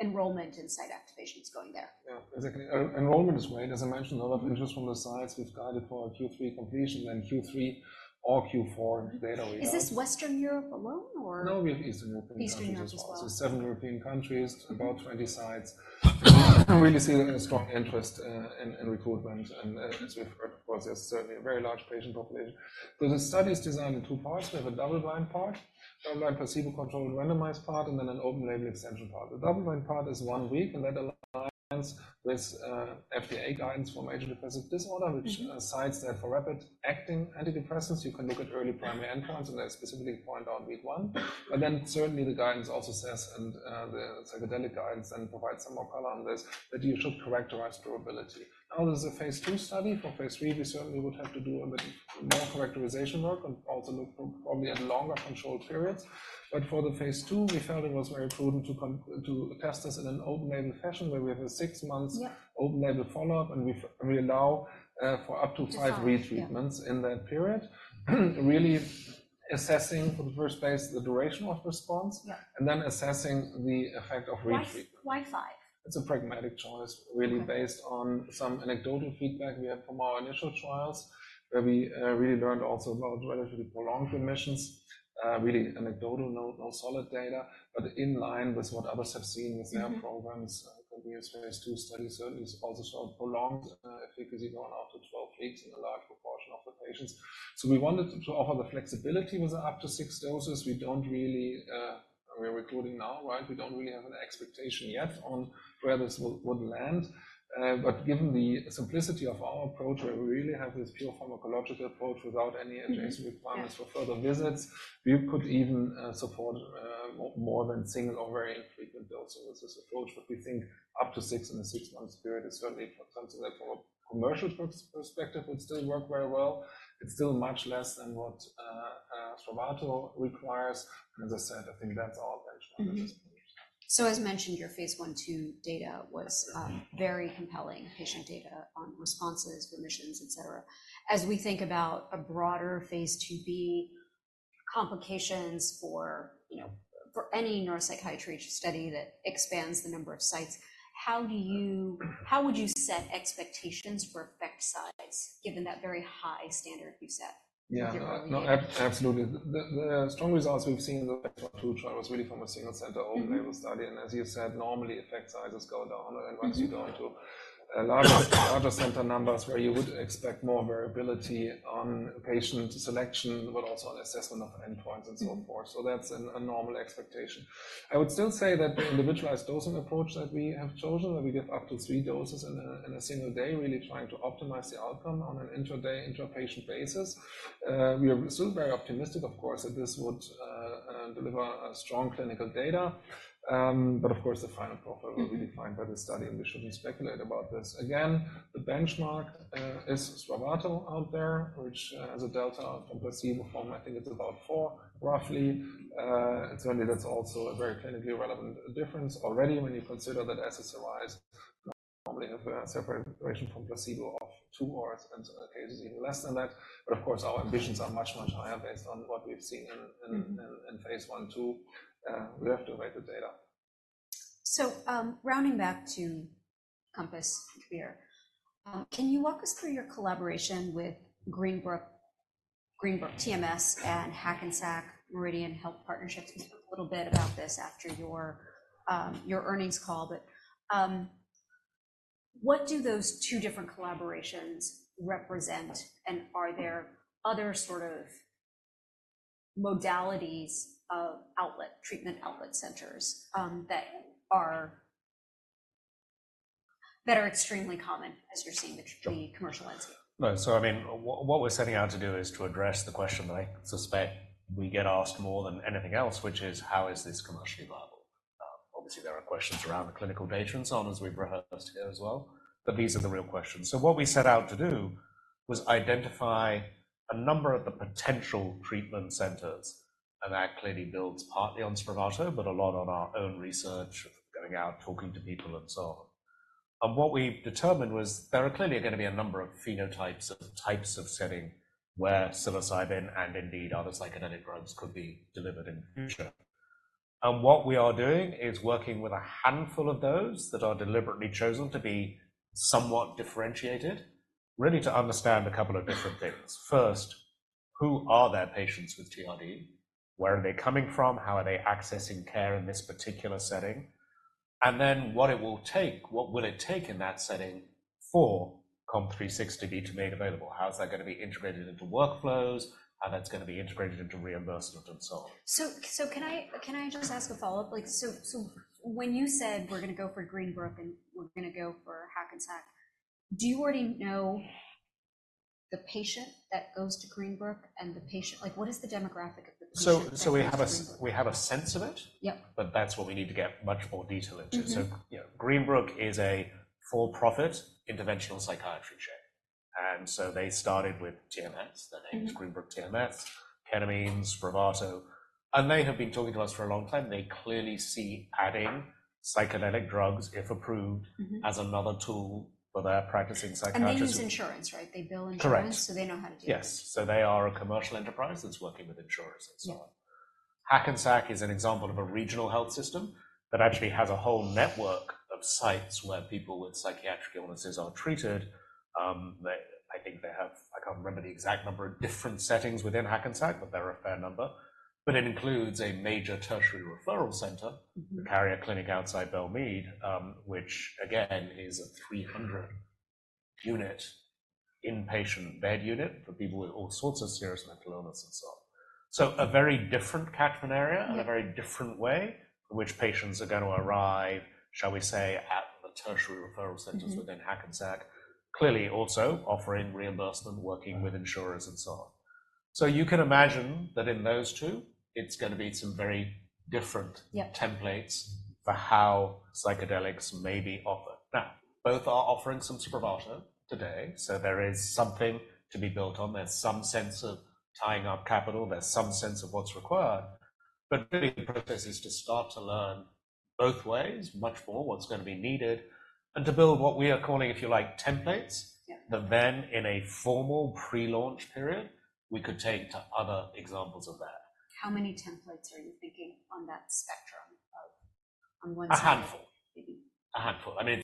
enrollment and site activation is going there? Yeah, exactly. Enrollment is great. As I mentioned, a lot of interest from the sites. We've guided for a Q3 completion, and Q3 or Q4 data is out. Is this Western Europe alone, or? No, we have Eastern European countries as well. Eastern Europe as well. Seven European countries, about 20 sites. We really see a strong interest in recruitment, and as we've heard, there's certainly a very large patient population. The study is designed in two parts. We have a double-blind, placebo-controlled, randomized part, and then an open-label extension part. The double-blind part is one week, and that aligns with FDA guidance for major depressive disorder- Mm-hmm... which cites that for rapid acting antidepressants, you can look at early primary endpoints, and they specifically point out week one. But then, certainly, the guidance also says, and the psychedelic guidance then provides some more color on this, that you should characterize durability. Now, this is a Phase II study. For Phase III, we certainly would have to do a little more characterization work and also look for probably a longer controlled periods. But for the Phase II, we felt it was very important to test this in an open-label fashion, where we have a six months- Yeah... open-label follow-up, and we allow for up to five retreatment- Yeah in that period. Really assessing, for the first place, the duration of response- Yeah... and then assessing the effect of retreatment. Why, why five? It's a pragmatic choice, really- Okay... based on some anecdotal feedback we had from our initial trials, where we really learned also about relatively prolonged remissions. Really anecdotal, no solid data, but in line with what others have seen with their- Mm-hmm... programs, could be as Phase II study. So it is also sort of prolonged efficacy going out to 12 weeks in a large proportion of the patients. So we wanted to offer the flexibility with up to 6 doses. We don't really... We're recruiting now, right? We don't really have an expectation yet on where this would land. But given the simplicity of our approach, where we really have this pure pharmacological approach without any adjacent- Yeah... requirements for further visits, we could even support more than single or very infrequent doses with this approach. But we think up to six in a six-month period is certainly, from something like from a commercial perspective, would still work very well. It's still much less than what Spravato requires, and as I said, I think that's our benchmark. Mm-hmm. So as mentioned, your Phase I, II data was very compelling, patient data on responses, remissions, et cetera. As we think about a broader Phase IIb, complications for, you know, for any neuropsychiatry study that expands the number of sites, how do you- how would you set expectations for effect size, given that very high standard you set with your- Yeah. No, absolutely. The strong results we've seen in the Phase I, II trial was really from a single center, open-label study. Mm-hmm. As you said, normally, effect sizes go down- Mm-hmm... once you go into a larger, larger center numbers where you would expect more variability on patient selection, but also on assessment of endpoints and so on, forth. Mm-hmm. So that's a normal expectation. I would still say that the individualized dosing approach that we have chosen, where we give up to three doses in a single day, really trying to optimize the outcome on an intra-day, intra-patient basis. We are still very optimistic, of course, that this would deliver strong clinical data. But of course, the final profile will be defined by the study, and we shouldn't speculate about this. Again, the benchmark is Spravato out there, which, as a delta from placebo form, I think it's about 4, roughly. And certainly, that's also a very clinically relevant difference already when you consider that SSRIs normally have a separate separation from placebo of 2 or sometimes cases even less than that. But of course, our ambitions are much, much higher based on what we've seen in Phase I, II. We have to weigh the data. So, rounding back to Compass here, can you walk us through your collaboration with Greenbrook, Greenbrook TMS, and Hackensack Meridian Health partnerships? You spoke a little bit about this after your earnings call. But, what do those two different collaborations represent, and are there other sort of modalities of outlet, treatment outlet centers, that are extremely common as you're seeing the- Sure... the commercial landscape? No. So I mean, what we're setting out to do is to address the question that I suspect we get asked more than anything else, which is: how is this commercially viable? Obviously, there are questions around the clinical data and so on, as we've rehearsed here as well, but these are the real questions. So what we set out to do was identify a number of the potential treatment centers, and that clearly builds partly on Spravato, but a lot on our own research, going out, talking to people, and so on. What we've determined was there are clearly gonna be a number of phenotypes or types of setting where psilocybin, and indeed other psychedelic drugs, could be delivered in future. What we are doing is working with a handful of those that are deliberately chosen to be somewhat differentiated, really to understand a couple of different things. First, who are their patients with TRD? Where are they coming from? How are they accessing care in this particular setting? And then, what will it take in that setting for COMP360 to be made available? How is that gonna be integrated into workflows? How that's gonna be integrated into reimbursement and so on. So, can I just ask a follow-up? Like, when you said we're gonna go for Greenbrook, and we're gonna go for Hackensack, do you already know the patient that goes to Greenbrook and the patient—like, what is the demographic of the patient that goes to Greenbrook? So we have a sense of it. Yep. But that's what we need to get much more detail into. Mm-hmm. So, you know, Greenbrook is a for-profit interventional psychiatry chain, and so they started with TMS. Mm-hmm. Their name is Greenbrook TMS, ketamine, Spravato, and they have been talking to us for a long time. They clearly see adding psychedelic drugs, if approved- Mm-hmm... as another tool for their practicing psychiatrists. They use insurance, right? They bill insurance- Correct. They know how to do this. Yes. They are a commercial enterprise that's working with insurers and so on. Yeah. Hackensack is an example of a regional health system that actually has a whole network of sites where people with psychiatric illnesses are treated. They, I think they have, I can't remember the exact number of different settings within Hackensack, but there are a fair number. But it includes a major tertiary referral center. Mm-hmm... Carrier Clinic outside Belle Mead, which again, is a 300-unit inpatient bed unit for people with all sorts of serious mental illness and so on. So a very different catchment area- Yeah... and a very different way in which patients are gonna arrive, shall we say, at the tertiary referral centers- Mm-hmm... within Hackensack. Clearly, also offering reimbursement, working with insurers, and so on. So you can imagine that in those two, it's gonna be some very different- Yeah... templates for how psychedelics may be offered. Now, both are offering some Spravato today, so there is something to be built on. There's some sense of tying up capital, there's some sense of what's required, but really the purpose is to start to learn both ways, much more what's gonna be needed, and to build what we are calling, if you like, templates- Yeah... that then, in a formal pre-launch period, we could take to other examples of that. How many templates are you thinking on that spectrum of, on one side- A handful. Maybe. A handful. I mean,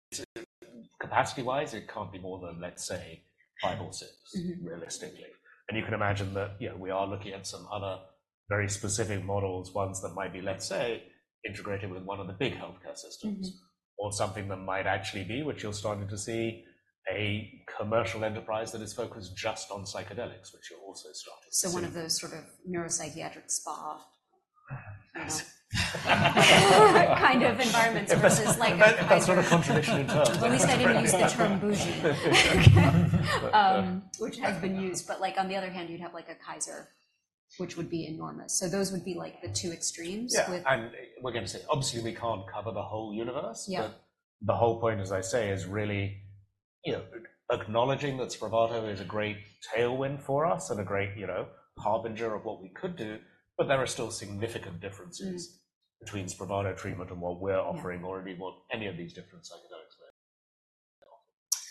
capacity-wise, it can't be more than, let's say, five or six- Mm-hmm... realistically. You can imagine that, you know, we are looking at some other very specific models, ones that might be, let's say, integrated within one of the big healthcare systems. Mm-hmm. Or something that might actually be, which you're starting to see, a commercial enterprise that is focused just on psychedelics, which you're also starting to see. So one of those sort of neuropsychiatric spa, kind of environments versus like- That, that's not a contradiction in terms. At least I didn't use the term bougie. Which has been used, but like on the other hand, you'd have like a Kaiser, which would be enormous. So those would be like the two extremes- Yeah... with- We're gonna say, obviously, we can't cover the whole universe. Yeah. But the whole point, as I say, is really you know, acknowledging that Spravato is a great tailwind for us and a great, you know, harbinger of what we could do, but there are still significant differences- Mm. - between Spravato treatment and what we're offering- Yeah or indeed, what any of these different psychedelics they offer.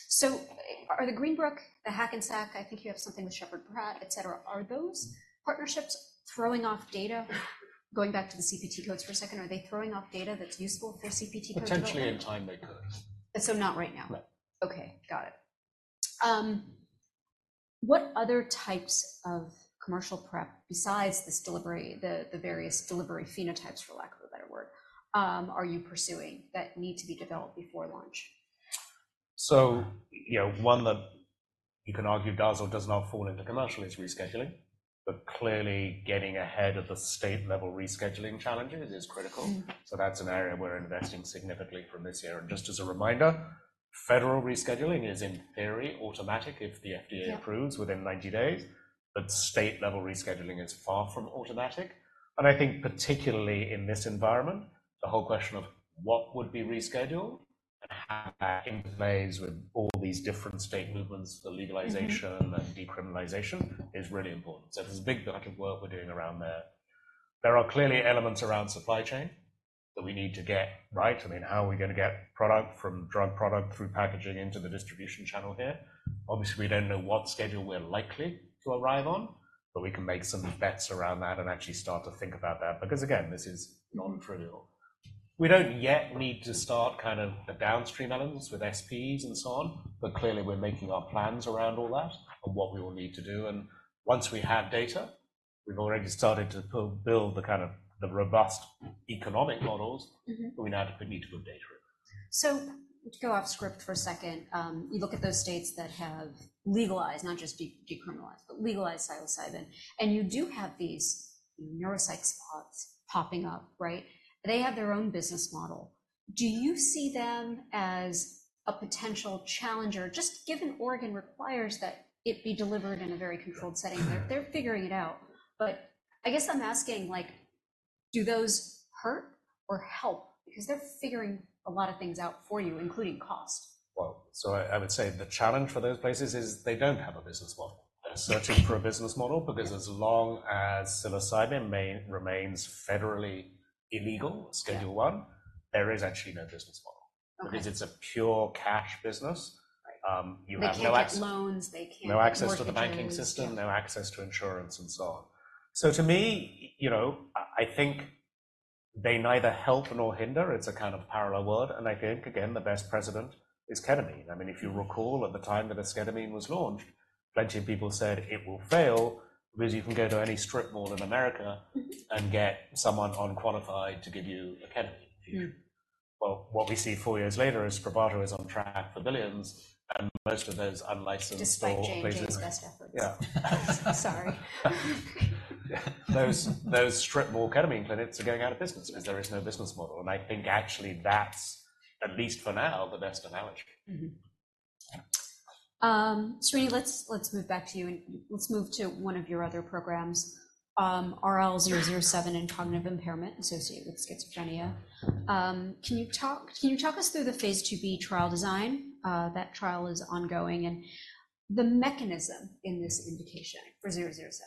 So are the Greenbrook, the Hackensack, I think you have something with Sheppard Pratt, et cetera. Are those partnerships throwing off data? Going back to the CPT codes for a second, are they throwing off data that's useful for CPT codes? Potentially, in time, they could. So not right now? No. Okay, got it. What other types of commercial prep, besides this delivery, the various delivery phenotypes, for lack of a better word, are you pursuing that need to be developed before launch? You know, one that you can argue does or does not fall into commercial is rescheduling, but clearly getting ahead of the state-level rescheduling challenges is critical. Mm-hmm. That's an area we're investing significantly from this year. Just as a reminder, federal rescheduling is, in theory, automatic if the FDA- Yeah - approves within 90 days, but state-level rescheduling is far from automatic. I think particularly in this environment, the whole question of what would be rescheduled and how that interplays with all these different state movements for legalization- Mm-hmm... and decriminalization is really important. So there's a big block of work we're doing around there. There are clearly elements around supply chain that we need to get right. I mean, how are we gonna get product from drug product through packaging into the distribution channel here? Obviously, we don't know what schedule we're likely to arrive on, but we can make some bets around that and actually start to think about that. Because, again, this is non-trivial. We don't yet need to start kind of the downstream elements with SPs and so on, but clearly, we're making our plans around all that and what we will need to do. And once we have data, we've already started to build the kind of, the robust economic models- Mm-hmm... but we now definitely need to put data in. So to go off script for a second, you look at those states that have legalized, not just decriminalized, but legalized psilocybin, and you do have these neuropsych spas popping up, right? They have their own business model. Do you see them as a potential challenger? Just given Oregon requires that it be delivered in a very controlled setting. Mm-hmm. They're figuring it out. But I guess I'm asking, like, do those hurt or help? Because they're figuring a lot of things out for you, including cost. Well, so I, I would say the challenge for those places is they don't have a business model. Mm-hmm. They're searching for a business model, because as long as psilocybin remains federally illegal- Yeah... Schedule I, there is actually no business model. Okay. Because it's a pure cash business. Right. You have no access. They can't get loans, they can't- No access to the banking system- Yeah... no access to insurance, and so on. So to me, you know, I, I think they neither help nor hinder. It's a kind of parallel world, and I think, again, the best precedent is ketamine. I mean, if you recall, at the time that esketamine was launched, plenty of people said it will fail because you can go to any strip mall in America- Mm-hmm... and get someone unqualified to give you a ketamine infusion. Mm-hmm. Well, what we see four years later is Spravato is on track for $ billions, and most of those unlicensed small places- Despite J&J's best efforts. Yeah. Sorry. Those strip mall ketamine clinics are going out of business because there is no business model, and I think actually that's, at least for now, the best analogy. Mm-hmm. Srini, let's move back to you, and let's move to one of your other programs, RL-007 in cognitive impairment associated with schizophrenia. Can you talk us through the Phase IIb trial design? That trial is ongoing, and the mechanism in this indication for RL-007.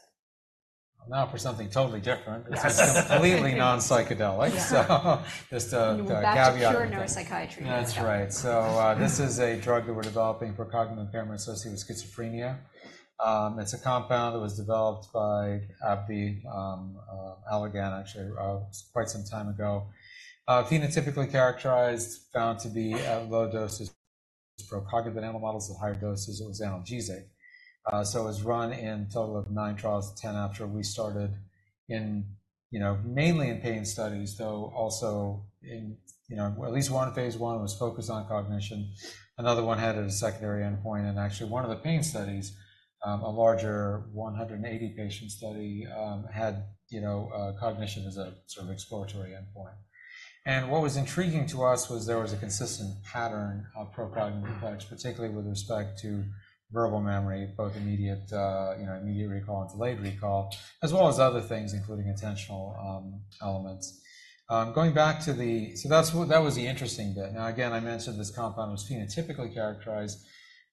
Now for something totally different. Yes. Completely non-psychedelic. Yeah. So just a caveat- Back to pure neuropsychiatry. That's right. So, this is a drug that we're developing for cognitive impairment associated with schizophrenia. It's a compound that was developed by AbbVie, Allergan, actually, quite some time ago. Phenotypically characterized, found to be at low doses for cognitive animal models. At higher doses, it was analgesic. So it was run in total of nine trials, 10 after we started in, you know, mainly in pain studies, though also in, you know, at least one Phase I was focused on cognition. Another one had a secondary endpoint, and actually, one of the pain studies, a larger 180-patient study, had, you know, cognition as a sort of exploratory endpoint. And what was intriguing to us was there was a consistent pattern of procognitive effects, particularly with respect to verbal memory, both immediate, you know, immediate recall and delayed recall, as well as other things, including attentional elements. Going back to the... So that's, that was the interesting bit. Now, again, I mentioned this compound was phenotypically characterized.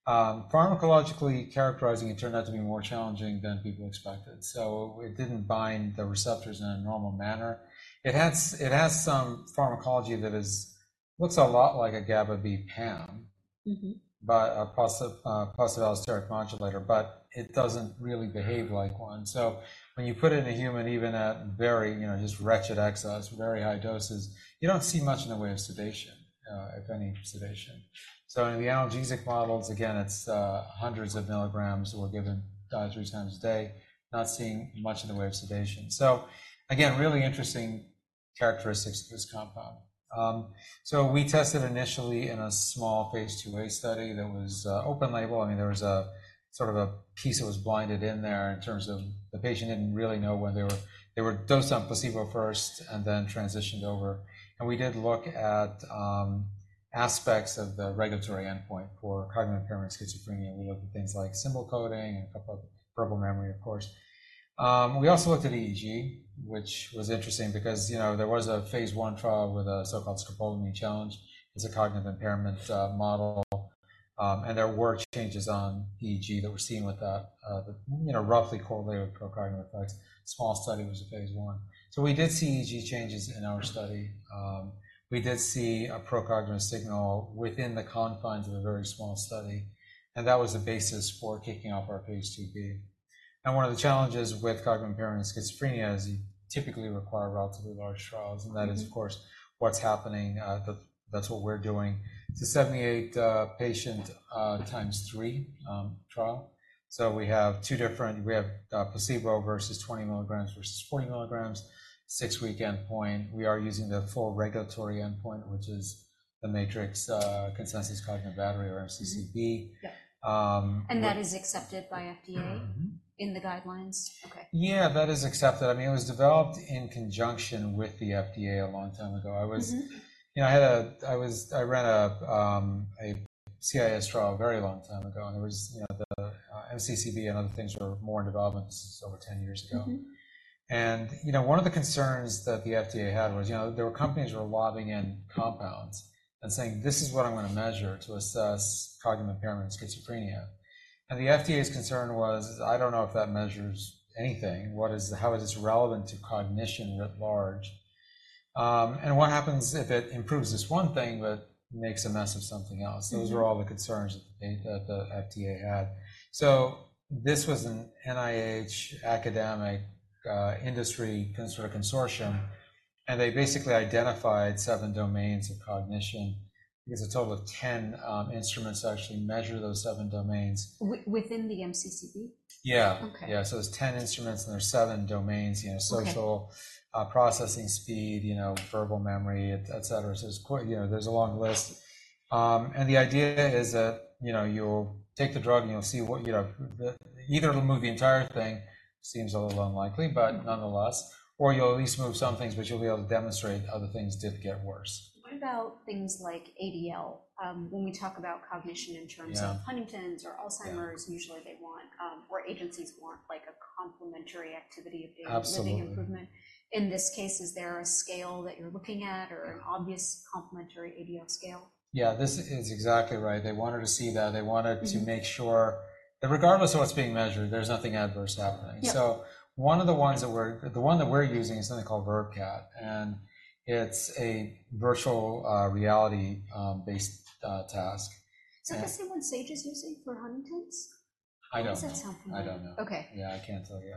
Pharmacologically characterizing it turned out to be more challenging than people expected. So it didn't bind the receptors in a normal manner. It has, it has some pharmacology that is, looks a lot like a GABA B PAM. Mm-hmm... but a positive, positive allosteric modulator, but it doesn't really behave like one. So when you put it in a human, even at very, you know, just wretched excess, very high doses, you don't see much in the way of sedation, if any sedation. So in the analgesic models, again, it's hundreds of milligrams were given three times a day, not seeing much in the way of sedation. So again, really interesting characteristics of this compound. So we tested initially in a small Phase IIa study that was open label. I mean, there was a sort of a piece that was blinded in there in terms of the patient didn't really know whether they were dosed on placebo first and then transitioned over. And we did look at aspects of the regulatory endpoint for cognitive impairment and schizophrenia. We looked at things like symbol coding and a couple of verbal memory, of course. We also looked at EEG, which was interesting because, you know, there was a Phase I trial with a so-called scopolamine challenge. It's a cognitive impairment model, and there were changes on EEG that we're seeing with that, that, you know, roughly correlated with pro-cognitive effects. Small study, it was a Phase I. So we did see EEG changes in our study. We did see a pro-cognitive signal within the confines of a very small study, and that was the basis for kicking off our Phase IIb. One of the challenges with cognitive impairment in schizophrenia is you typically require relatively large trials, and that is, of course, what's happening, that's what we're doing. It's a 78-patient, times three, trial. We have placebo versus 20 mg versus 40 mg, 6-week endpoint. We are using the full regulatory endpoint, which is the MATRICS consensus cognitive battery or MCCB. Yeah. Um- That is accepted by FDA? Mm-hmm. In the guidelines? Okay. Yeah, that is accepted. I mean, it was developed in conjunction with the FDA a long time ago. Mm-hmm. You know, I ran a CIAS trial a very long time ago, and it was, you know, the MCCB and other things were more in development. This is over 10 years ago. Mm-hmm. You know, one of the concerns that the FDA had was, you know, there were companies that were lobbing in compounds and saying, "This is what I'm gonna measure to assess cognitive impairment in schizophrenia." The FDA's concern was: I don't know if that measures anything. How is this relevant to cognition writ large? And what happens if it improves this one thing but makes a mess of something else? Mm-hmm. Those are all the concerns that the FDA had. So this was an NIH academic, industry consortium, and they basically identified seven domains of cognition. I think it's a total of ten instruments to actually measure those seven domains. Within the MCCB? Yeah. Okay. Yeah, so there's 10 instruments, and there's 7 domains, you know- Okay... social processing speed, you know, verbal memory, et cetera. So it's quite, you know, there's a long list. And the idea is that, you know, you'll take the drug, and you'll see what, you know, the... Either it'll move the entire thing, seems a little unlikely, but nonetheless, or you'll at least move some things, but you'll be able to demonstrate other things did get worse. What about things like ADL? When we talk about cognition in terms of- Yeah - Huntington's or Alzheimer's- Yeah - usually they want, or agencies want, like, a complementary activity of daily- Absolutely - living improvement. In this case, is there a scale that you're looking at or an obvious complementary ADL scale? Yeah, this is exactly right. They wanted to see that. Mm-hmm. They wanted to make sure that regardless of what's being measured, there's nothing adverse happening. Yeah. So the one that we're using is something called VRFCAT, and it's a virtual reality based task. And- Is that the same one Sage is using for Huntington's? I don't know. Or does that sound familiar? I don't know. Okay. Yeah, I can't tell you.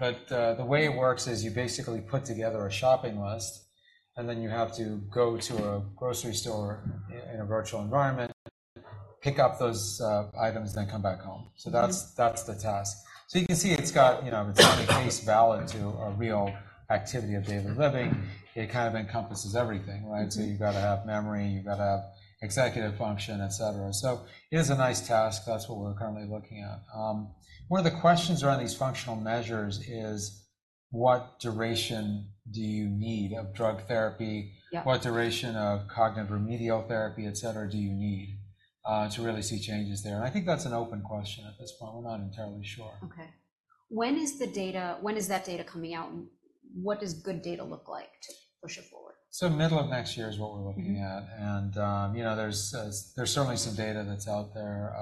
But the way it works is you basically put together a shopping list, and then you have to go to a grocery store, in a virtual environment, pick up those items, then come back home. Mm-hmm. So that's the task. So you can see it's got, you know, it's face validity to a real activity of daily living. It kind of encompasses everything, right? Mm-hmm. So you've got to have memory, you've got to have executive function, et cetera. So it is a nice task. That's what we're currently looking at. One of the questions around these functional measures is: What duration do you need of drug therapy? Yeah. What duration of cognitive remedial therapy, et cetera, do you need to really see changes there? And I think that's an open question at this point. I'm not entirely sure. Okay. When is the data... When is that data coming out, and what does good data look like to push it forward? Middle of next year is what we're looking at. Mm-hmm. You know, there's certainly some data that's out there.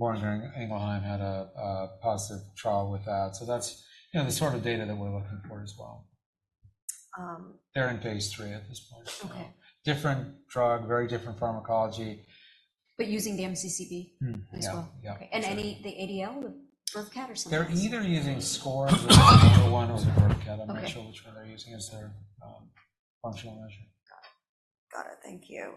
Boehringer Ingelheim had a positive trial with that, so that's, you know, the sort of data that we're looking for as well. Um- They're in Phase III at this point. Okay. Different drug, very different pharmacology. But using the MCCB- Mm-hmm - as well? Yeah, yeah. And any, the ADL, the VRFCAT or something? They're either using SCoRS or the VRFCAT. Okay. I'm not sure which one they're using as their functional measure. Got it. Thank you.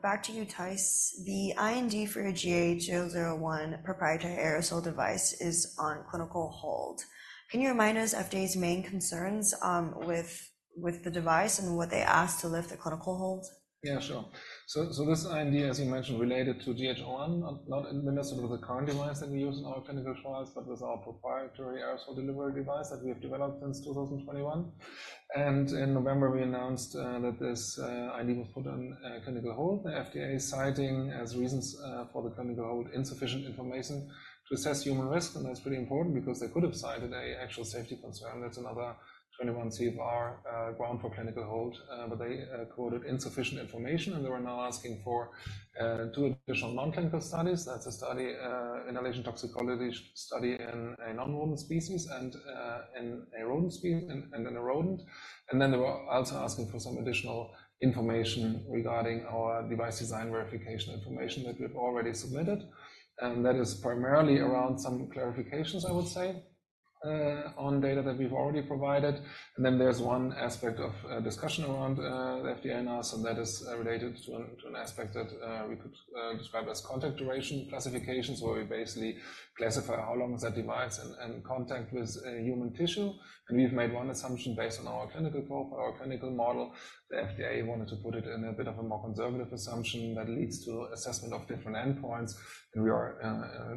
Back to you, Theis. The IND for your GH001 proprietary aerosol device is on clinical hold. Can you remind us of FDA's main concerns, with the device and what they asked to lift the clinical hold? Yeah, sure. So this IND, as you mentioned, related to GH001, not administered with the current device that we use in our clinical trials, but with our proprietary aerosol delivery device that we have developed since 2021. In November, we announced that this IND was put on clinical hold, the FDA citing as reasons for the clinical hold insufficient information to assess human risk, and that's pretty important because they could have cited an actual safety concern. That's another 21 CFR ground for clinical hold. They quoted insufficient information, and they were now asking for two additional non-clinical studies. That's a study, inhalation toxicology study in a non-human species and in a human species and in a rodent. Then they were also asking for some additional information regarding our device design verification information that we've already submitted, and that is primarily around some clarifications, I would say, on data that we've already provided. Then there's one aspect of discussion around the FDA now, so that is related to an aspect that we could describe as contact duration classifications, where we basically classify how long is that device in contact with human tissue. We've made one assumption based on our clinical model. The FDA wanted to put it in a bit of a more conservative assumption that leads to assessment of different endpoints, and we are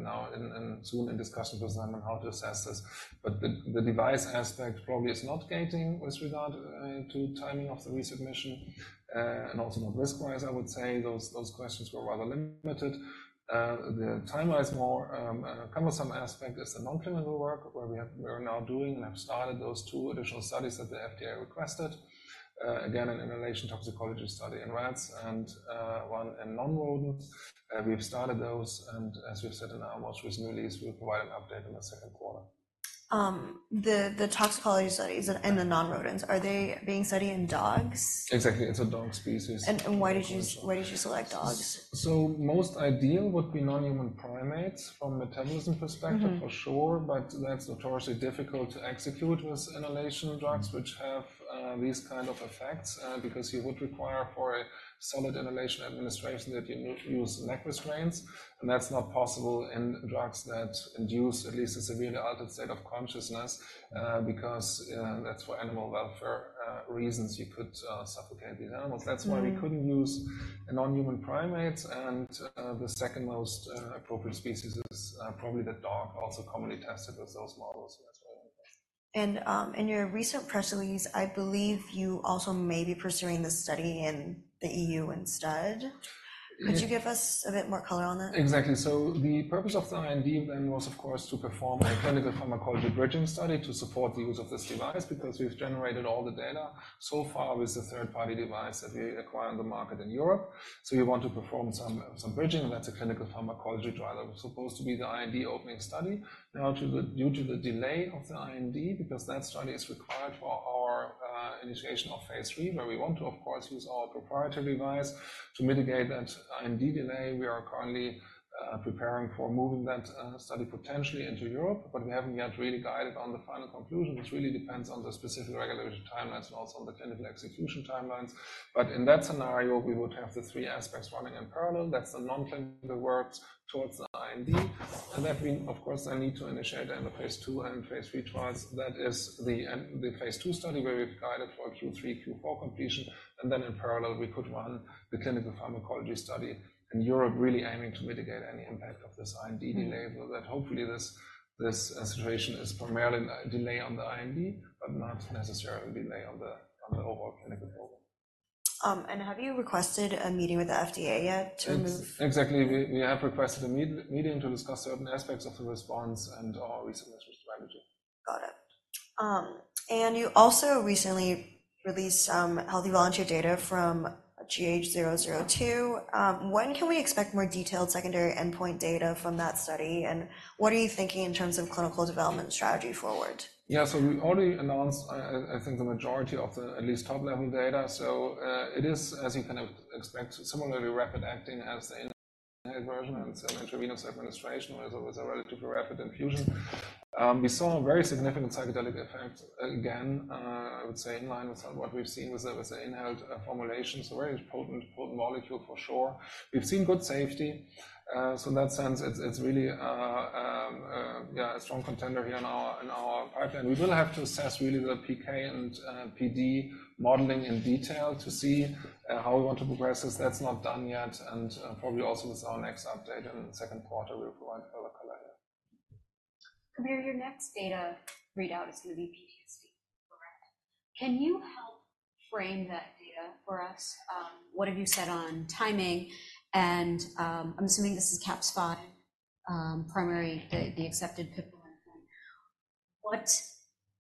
now in discussion with them on how to assess this. But the device aspect probably is not gating with regard to timing of the resubmission, and also not risk-wise. I would say those questions were rather limited. The timeline is more a cumbersome aspect is the non-clinical work where we are now doing and have started those two additional studies that the FDA requested. Again, an inhalation toxicology study in rats and one in non-rodents. We have started those, and as we've said in our most recent release, we'll provide an update in the second quarter. The toxicology studies and the non-rodents, are they being studied in dogs? Exactly. It's a dog species. Why did you select dogs? So most ideal would be non-human primates from a metabolism perspective- Mm-hmm. For sure, but that's notoriously difficult to execute with inhalation drugs, which have these kind of effects, because you would require for a solid inhalation administration that you use neck restraints, and that's not possible in drugs that induce at least a severely altered state of consciousness, because that's for animal welfare reasons you could suffocate the animals. Mm-hmm. That's why we couldn't use a non-human primates, and the second most appropriate species is probably the dog, also commonly tested with those models as well. In your recent press release, I believe you also may be pursuing this study in the EU instead. Yeah. Could you give us a bit more color on that? Exactly. So the purpose of the IND then was, of course, to perform a clinical pharmacology bridging study to support the use of this device, because we've generated all the data so far with the third-party device that we acquired on the market in Europe. So we want to perform some bridging, and that's a clinical pharmacology trial. It was supposed to be the IND opening study. Now, due to the delay of the IND, because that study is required for our initiation of Phase III, where we want to, of course, use our proprietary device. To mitigate that IND delay, we are currently preparing for moving that study potentially into Europe, but we haven't yet really guided on the final conclusion, which really depends on the specific regulatory timelines and also on the clinical execution timelines. But in that scenario, we would have the three aspects running in parallel. That's the non-clinical works towards the IND, and that we, of course, then need to initiate then the Phase II and Phase III trials. That is the end, the Phase II study, where we've guided for a Q3, Q4 completion, and then in parallel, we could run the clinical pharmacology study in Europe, really aiming to mitigate any impact of this IND delay- Mm-hmm. So that hopefully this situation is primarily a delay on the IND, but not necessarily a delay on the overall clinical program. Have you requested a meeting with the FDA yet to remove- Exactly. We have requested a meeting to discuss certain aspects of the response and our recent strategy. Got it. You also recently released some healthy volunteer data from GH002. When can we expect more detailed secondary endpoint data from that study, and what are you thinking in terms of clinical development strategy forward? Yeah, so we already announced, I think, the majority of the at least top-level data. So, it is, as you kind of expect, similarly rapid acting as the inhaled version and some intravenous administration, as it was a relatively rapid infusion. We saw a very significant psychedelic effect. Again, I would say in line with, what we've seen with the, with the inhaled, formulation, so a very potent, potent molecule for sure. We've seen good safety, so in that sense, it's, it's really, yeah, a strong contender here in our, in our pipeline. We will have to assess really the PK and, PD modeling in detail to see, how we want to progress this. That's not done yet, and, probably also with our next update in the second quarter, we'll provide further color. Kabir, your next data readout is gonna be PTSD, correct? Can you help frame that data for us? What have you said on timing, and, I'm assuming this is CAPS-5, primary, the accepted pipeline. What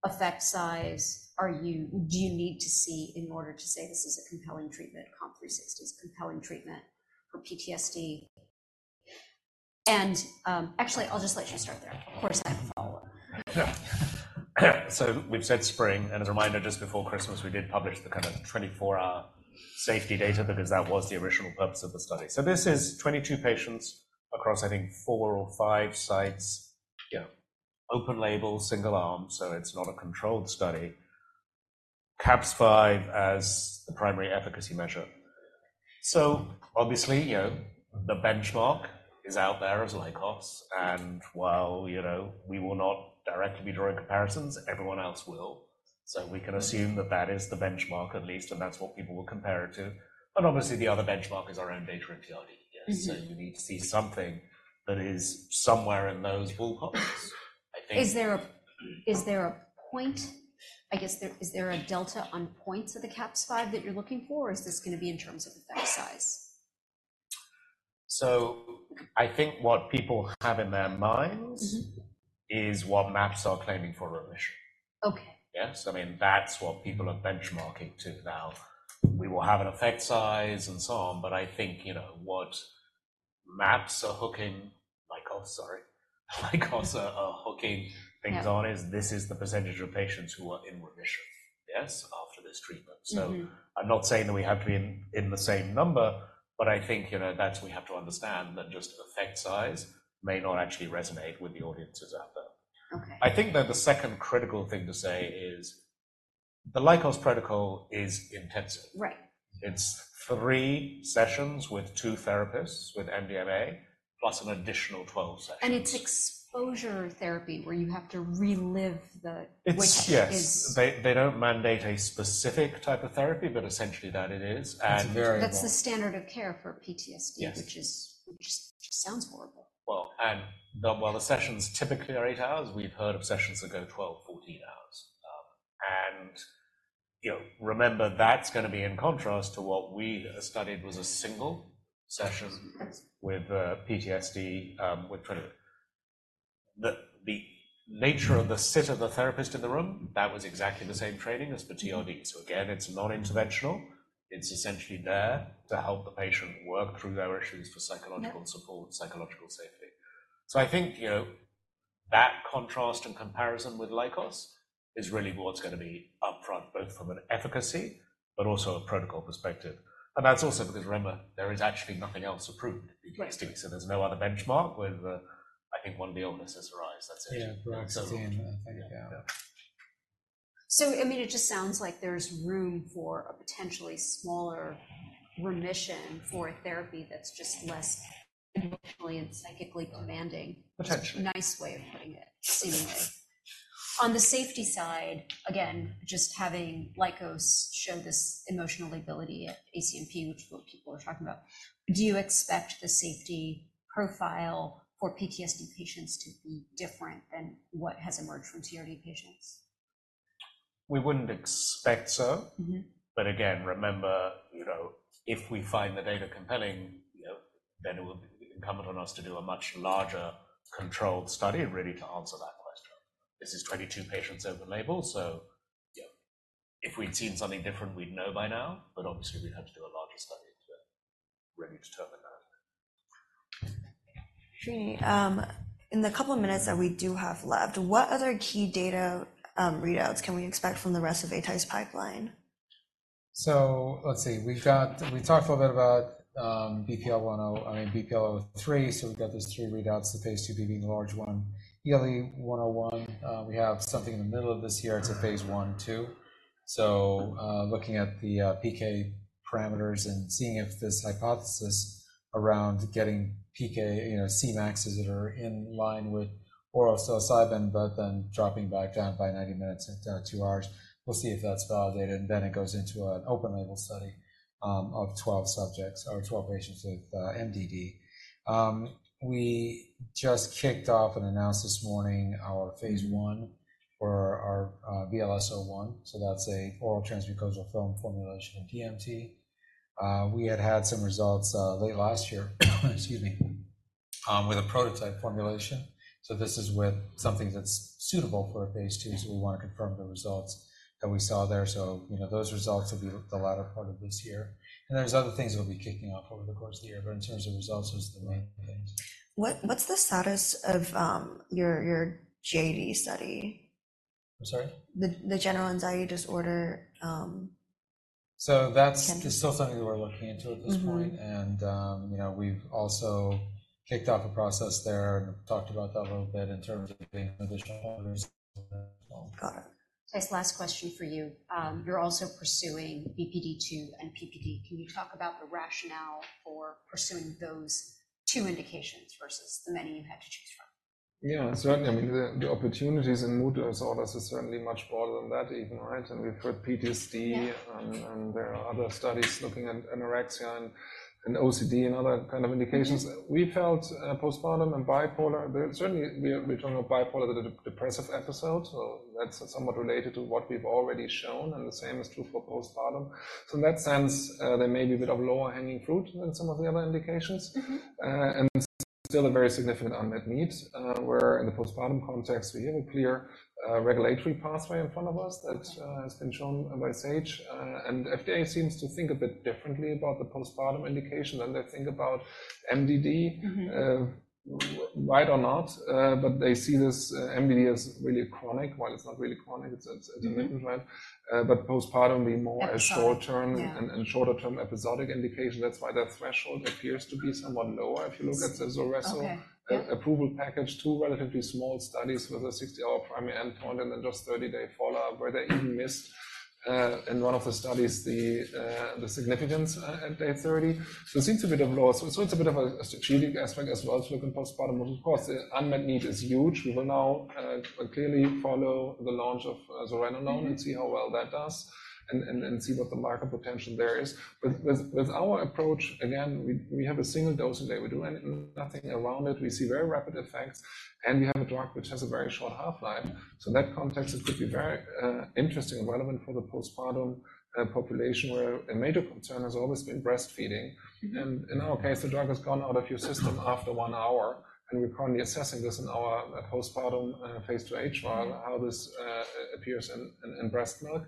effect size do you need to see in order to say this is a compelling treatment, COMP360's a compelling treatment for PTSD? And, actually, I'll just let you start there. Of course, I have a follow-up. So we've said spring, and as a reminder, just before Christmas, we did publish the kind of 24-hour safety data because that was the original purpose of the study. So this is 22 patients across, I think, 4 or 5 sites. Yeah. Open label, single arm, so it's not a controlled study. CAPS-5 as the primary efficacy measure. So obviously, you know, the benchmark is out there as Lykos, and while, you know, we will not directly be drawing comparisons, everyone else will. So we can assume that that is the benchmark at least, and that's what people will compare it to. But obviously, the other benchmark is our own data in TRD. Mm-hmm. Yes, so we need to see something that is somewhere in those ballparks. I think- Is there a point? I guess, is there a delta on points of the CAPS-5 that you're looking for, or is this gonna be in terms of effect size? So I think what people have in their minds- Mm-hmm. is what MAPS are claiming for remission. Okay. Yes. I mean, that's what people are benchmarking to now. We will have an effect size and so on, but I think, you know, what MAPS are hooking, Lykos, sorry, Lykos are hooking things on- Yeah... this is the percentage of patients who are in remission, yes, after this treatment. Mm-hmm. So I'm not saying that we have to be in the same number, but I think, you know, that we have to understand that just effect size may not actually resonate with the audiences out there. Okay. I think that the second critical thing to say is the Lykos protocol is intensive. Right. It's 3 sessions with 2 therapists with MDMA, plus an additional 12 sessions. It's exposure therapy, where you have to relive the- It's... Yes. Which is- They don't mandate a specific type of therapy, but essentially that it is, and very- That's the standard of care for PTSD- Yes... which is, which sounds horrible. Well, while the sessions typically are 8 hours, we've heard of sessions that go 12, 14 hours.... and, you know, remember, that's gonna be in contrast to what we studied, a single session with PTSD, with kind of the nature of the sit of the therapist in the room. That was exactly the same training as for TRD. So again, it's non-interventional. It's essentially there to help the patient work through their issues for psychological- Yeah -support, psychological safety. So I think, you know, that contrast and comparison with Lykos is really what's gonna be upfront, both from an efficacy but also a protocol perspective. And that's also because, remember, there is actually nothing else approved in PTSD. Right. There's no other benchmark with, I think, one of the illnesses arise. That's it. Yeah, correct. I think, yeah. So, I mean, it just sounds like there's room for a potentially smaller remission for a therapy that's just less emotionally and psychically commanding. Potentially. Nice way of putting it, anyway. On the safety side, again, just having Lykos show this emotional lability at ACNP, which is what people are talking about, do you expect the safety profile for PTSD patients to be different than what has emerged from TRD patients? We wouldn't expect so. Mm-hmm. But again, remember, you know, if we find the data compelling, you know, then it will be incumbent on us to do a much larger controlled study, really, to answer that question. This is 22 patients over label, so, you know, if we'd seen something different, we'd know by now. But obviously, we'd have to do a larger study to really determine that. Srini, in the couple of minutes that we do have left, what other key data readouts can we expect from the rest of Atai's pipeline? So let's see. We've got—we talked a little bit about, I mean, BPL-003. So we've got those three readouts, the Phase IIb being the large one. ELE-101, we have something in the middle of this year. It's a Phase I, II. So, looking at the PK parameters and seeing if this hypothesis around getting PK, you know, C-maxes that are in line with oral psilocybin, but then dropping back down by 90 minutes to 2 hours. We'll see if that's validated, and then it goes into an open-label study of 12 subjects or 12 patients with MDD. We just kicked off and announced this morning our Phase I for our VLS-01. So that's an oral transmucosal film formulation of DMT. We had had some results late last year with a prototype formulation. So this is with something that's suitable for a Phase II, so we want to confirm the results that we saw there. So, you know, those results will be the latter part of this year. And there's other things that we'll be kicking off over the course of the year, but in terms of results, those are the main things. What's the status of your GAD study? I'm sorry? The general anxiety disorder- So that's-... tension. Still something we're looking into at this point. Mm-hmm. You know, we've also kicked off a process there and talked about that a little bit in terms of being additional. Got it. Theis, last question for you. You're also pursuing bipolar two and PPD. Can you talk about the rationale for pursuing those two indications versus the many you've had to choose from? Yeah, certainly. I mean, the opportunities in mood disorders is certainly much broader than that even, right? And we've heard PTSD- Yeah and there are other studies looking at anorexia and OCD and other kind of indications. Mm-hmm. We felt postpartum and bipolar. But certainly, we talk about bipolar, the depressive episode, so that's somewhat related to what we've already shown, and the same is true for postpartum. So in that sense, there may be a bit of lower-hanging fruit than some of the other indications. Mm-hmm. And still a very significant unmet need, where in the postpartum context, we have a clear regulatory pathway in front of us that has been shown by Sage. And FDA seems to think a bit differently about the postpartum indication than they think about MDD. Mm-hmm. Right or not, but they see this MDD as really chronic. While it's not really chronic, it's intermittent. Mm-hmm. But postpartum being more- Episode... a short term. Yeah. Shorter-term episodic indication. That's why that threshold appears to be somewhat lower if you look at the Zurzuvae- Okay, yeah... approval package, two relatively small studies with a 60-hour primary endpoint and then just 30-day follow-up, where they even missed in one of the studies, the significance at day 30. So it seems a bit of low. So it's a bit of a strategic aspect as well to look at postpartum. But of course, the unmet need is huge. We will now clearly follow the launch of Zuranolone- Mm-hmm... and see how well that does, and see what the market potential there is. But with our approach, again, we have a single dose a day. We do nothing around it. We see very rapid effects, and we have a drug which has a very short half-life. So in that context, it could be very interesting and relevant for the postpartum population, where a major concern has always been breastfeeding. Mm-hmm. In our case, the drug has gone out of your system after one hour, and we're currently assessing this in our postpartum Phase IIh trial, how this appears in breast milk.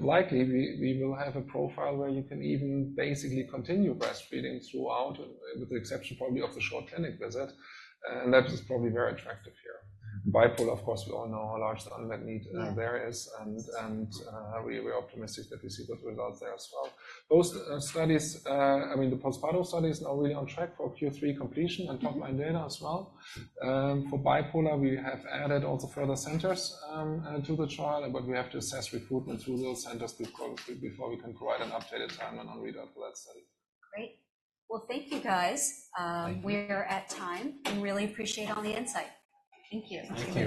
Likely, we will have a profile where you can even basically continue breastfeeding throughout, with the exception probably of the short clinic visit, and that is probably very attractive here. Bipolar, of course, we all know how large the unmet need- Yeah... there is, and we are optimistic that we see good results there as well. Those studies... I mean, the postpartum study is already on track for Q3 completion- Mm-hmm... and top-line data as well. For bipolar, we have added also further centers to the trial, but we have to assess recruitment through those centers before we can provide an updated timeline on readout for that study. Great. Well, thank you, guys. Thank you. We're at time, and really appreciate all the insight. Thank you. Thank you.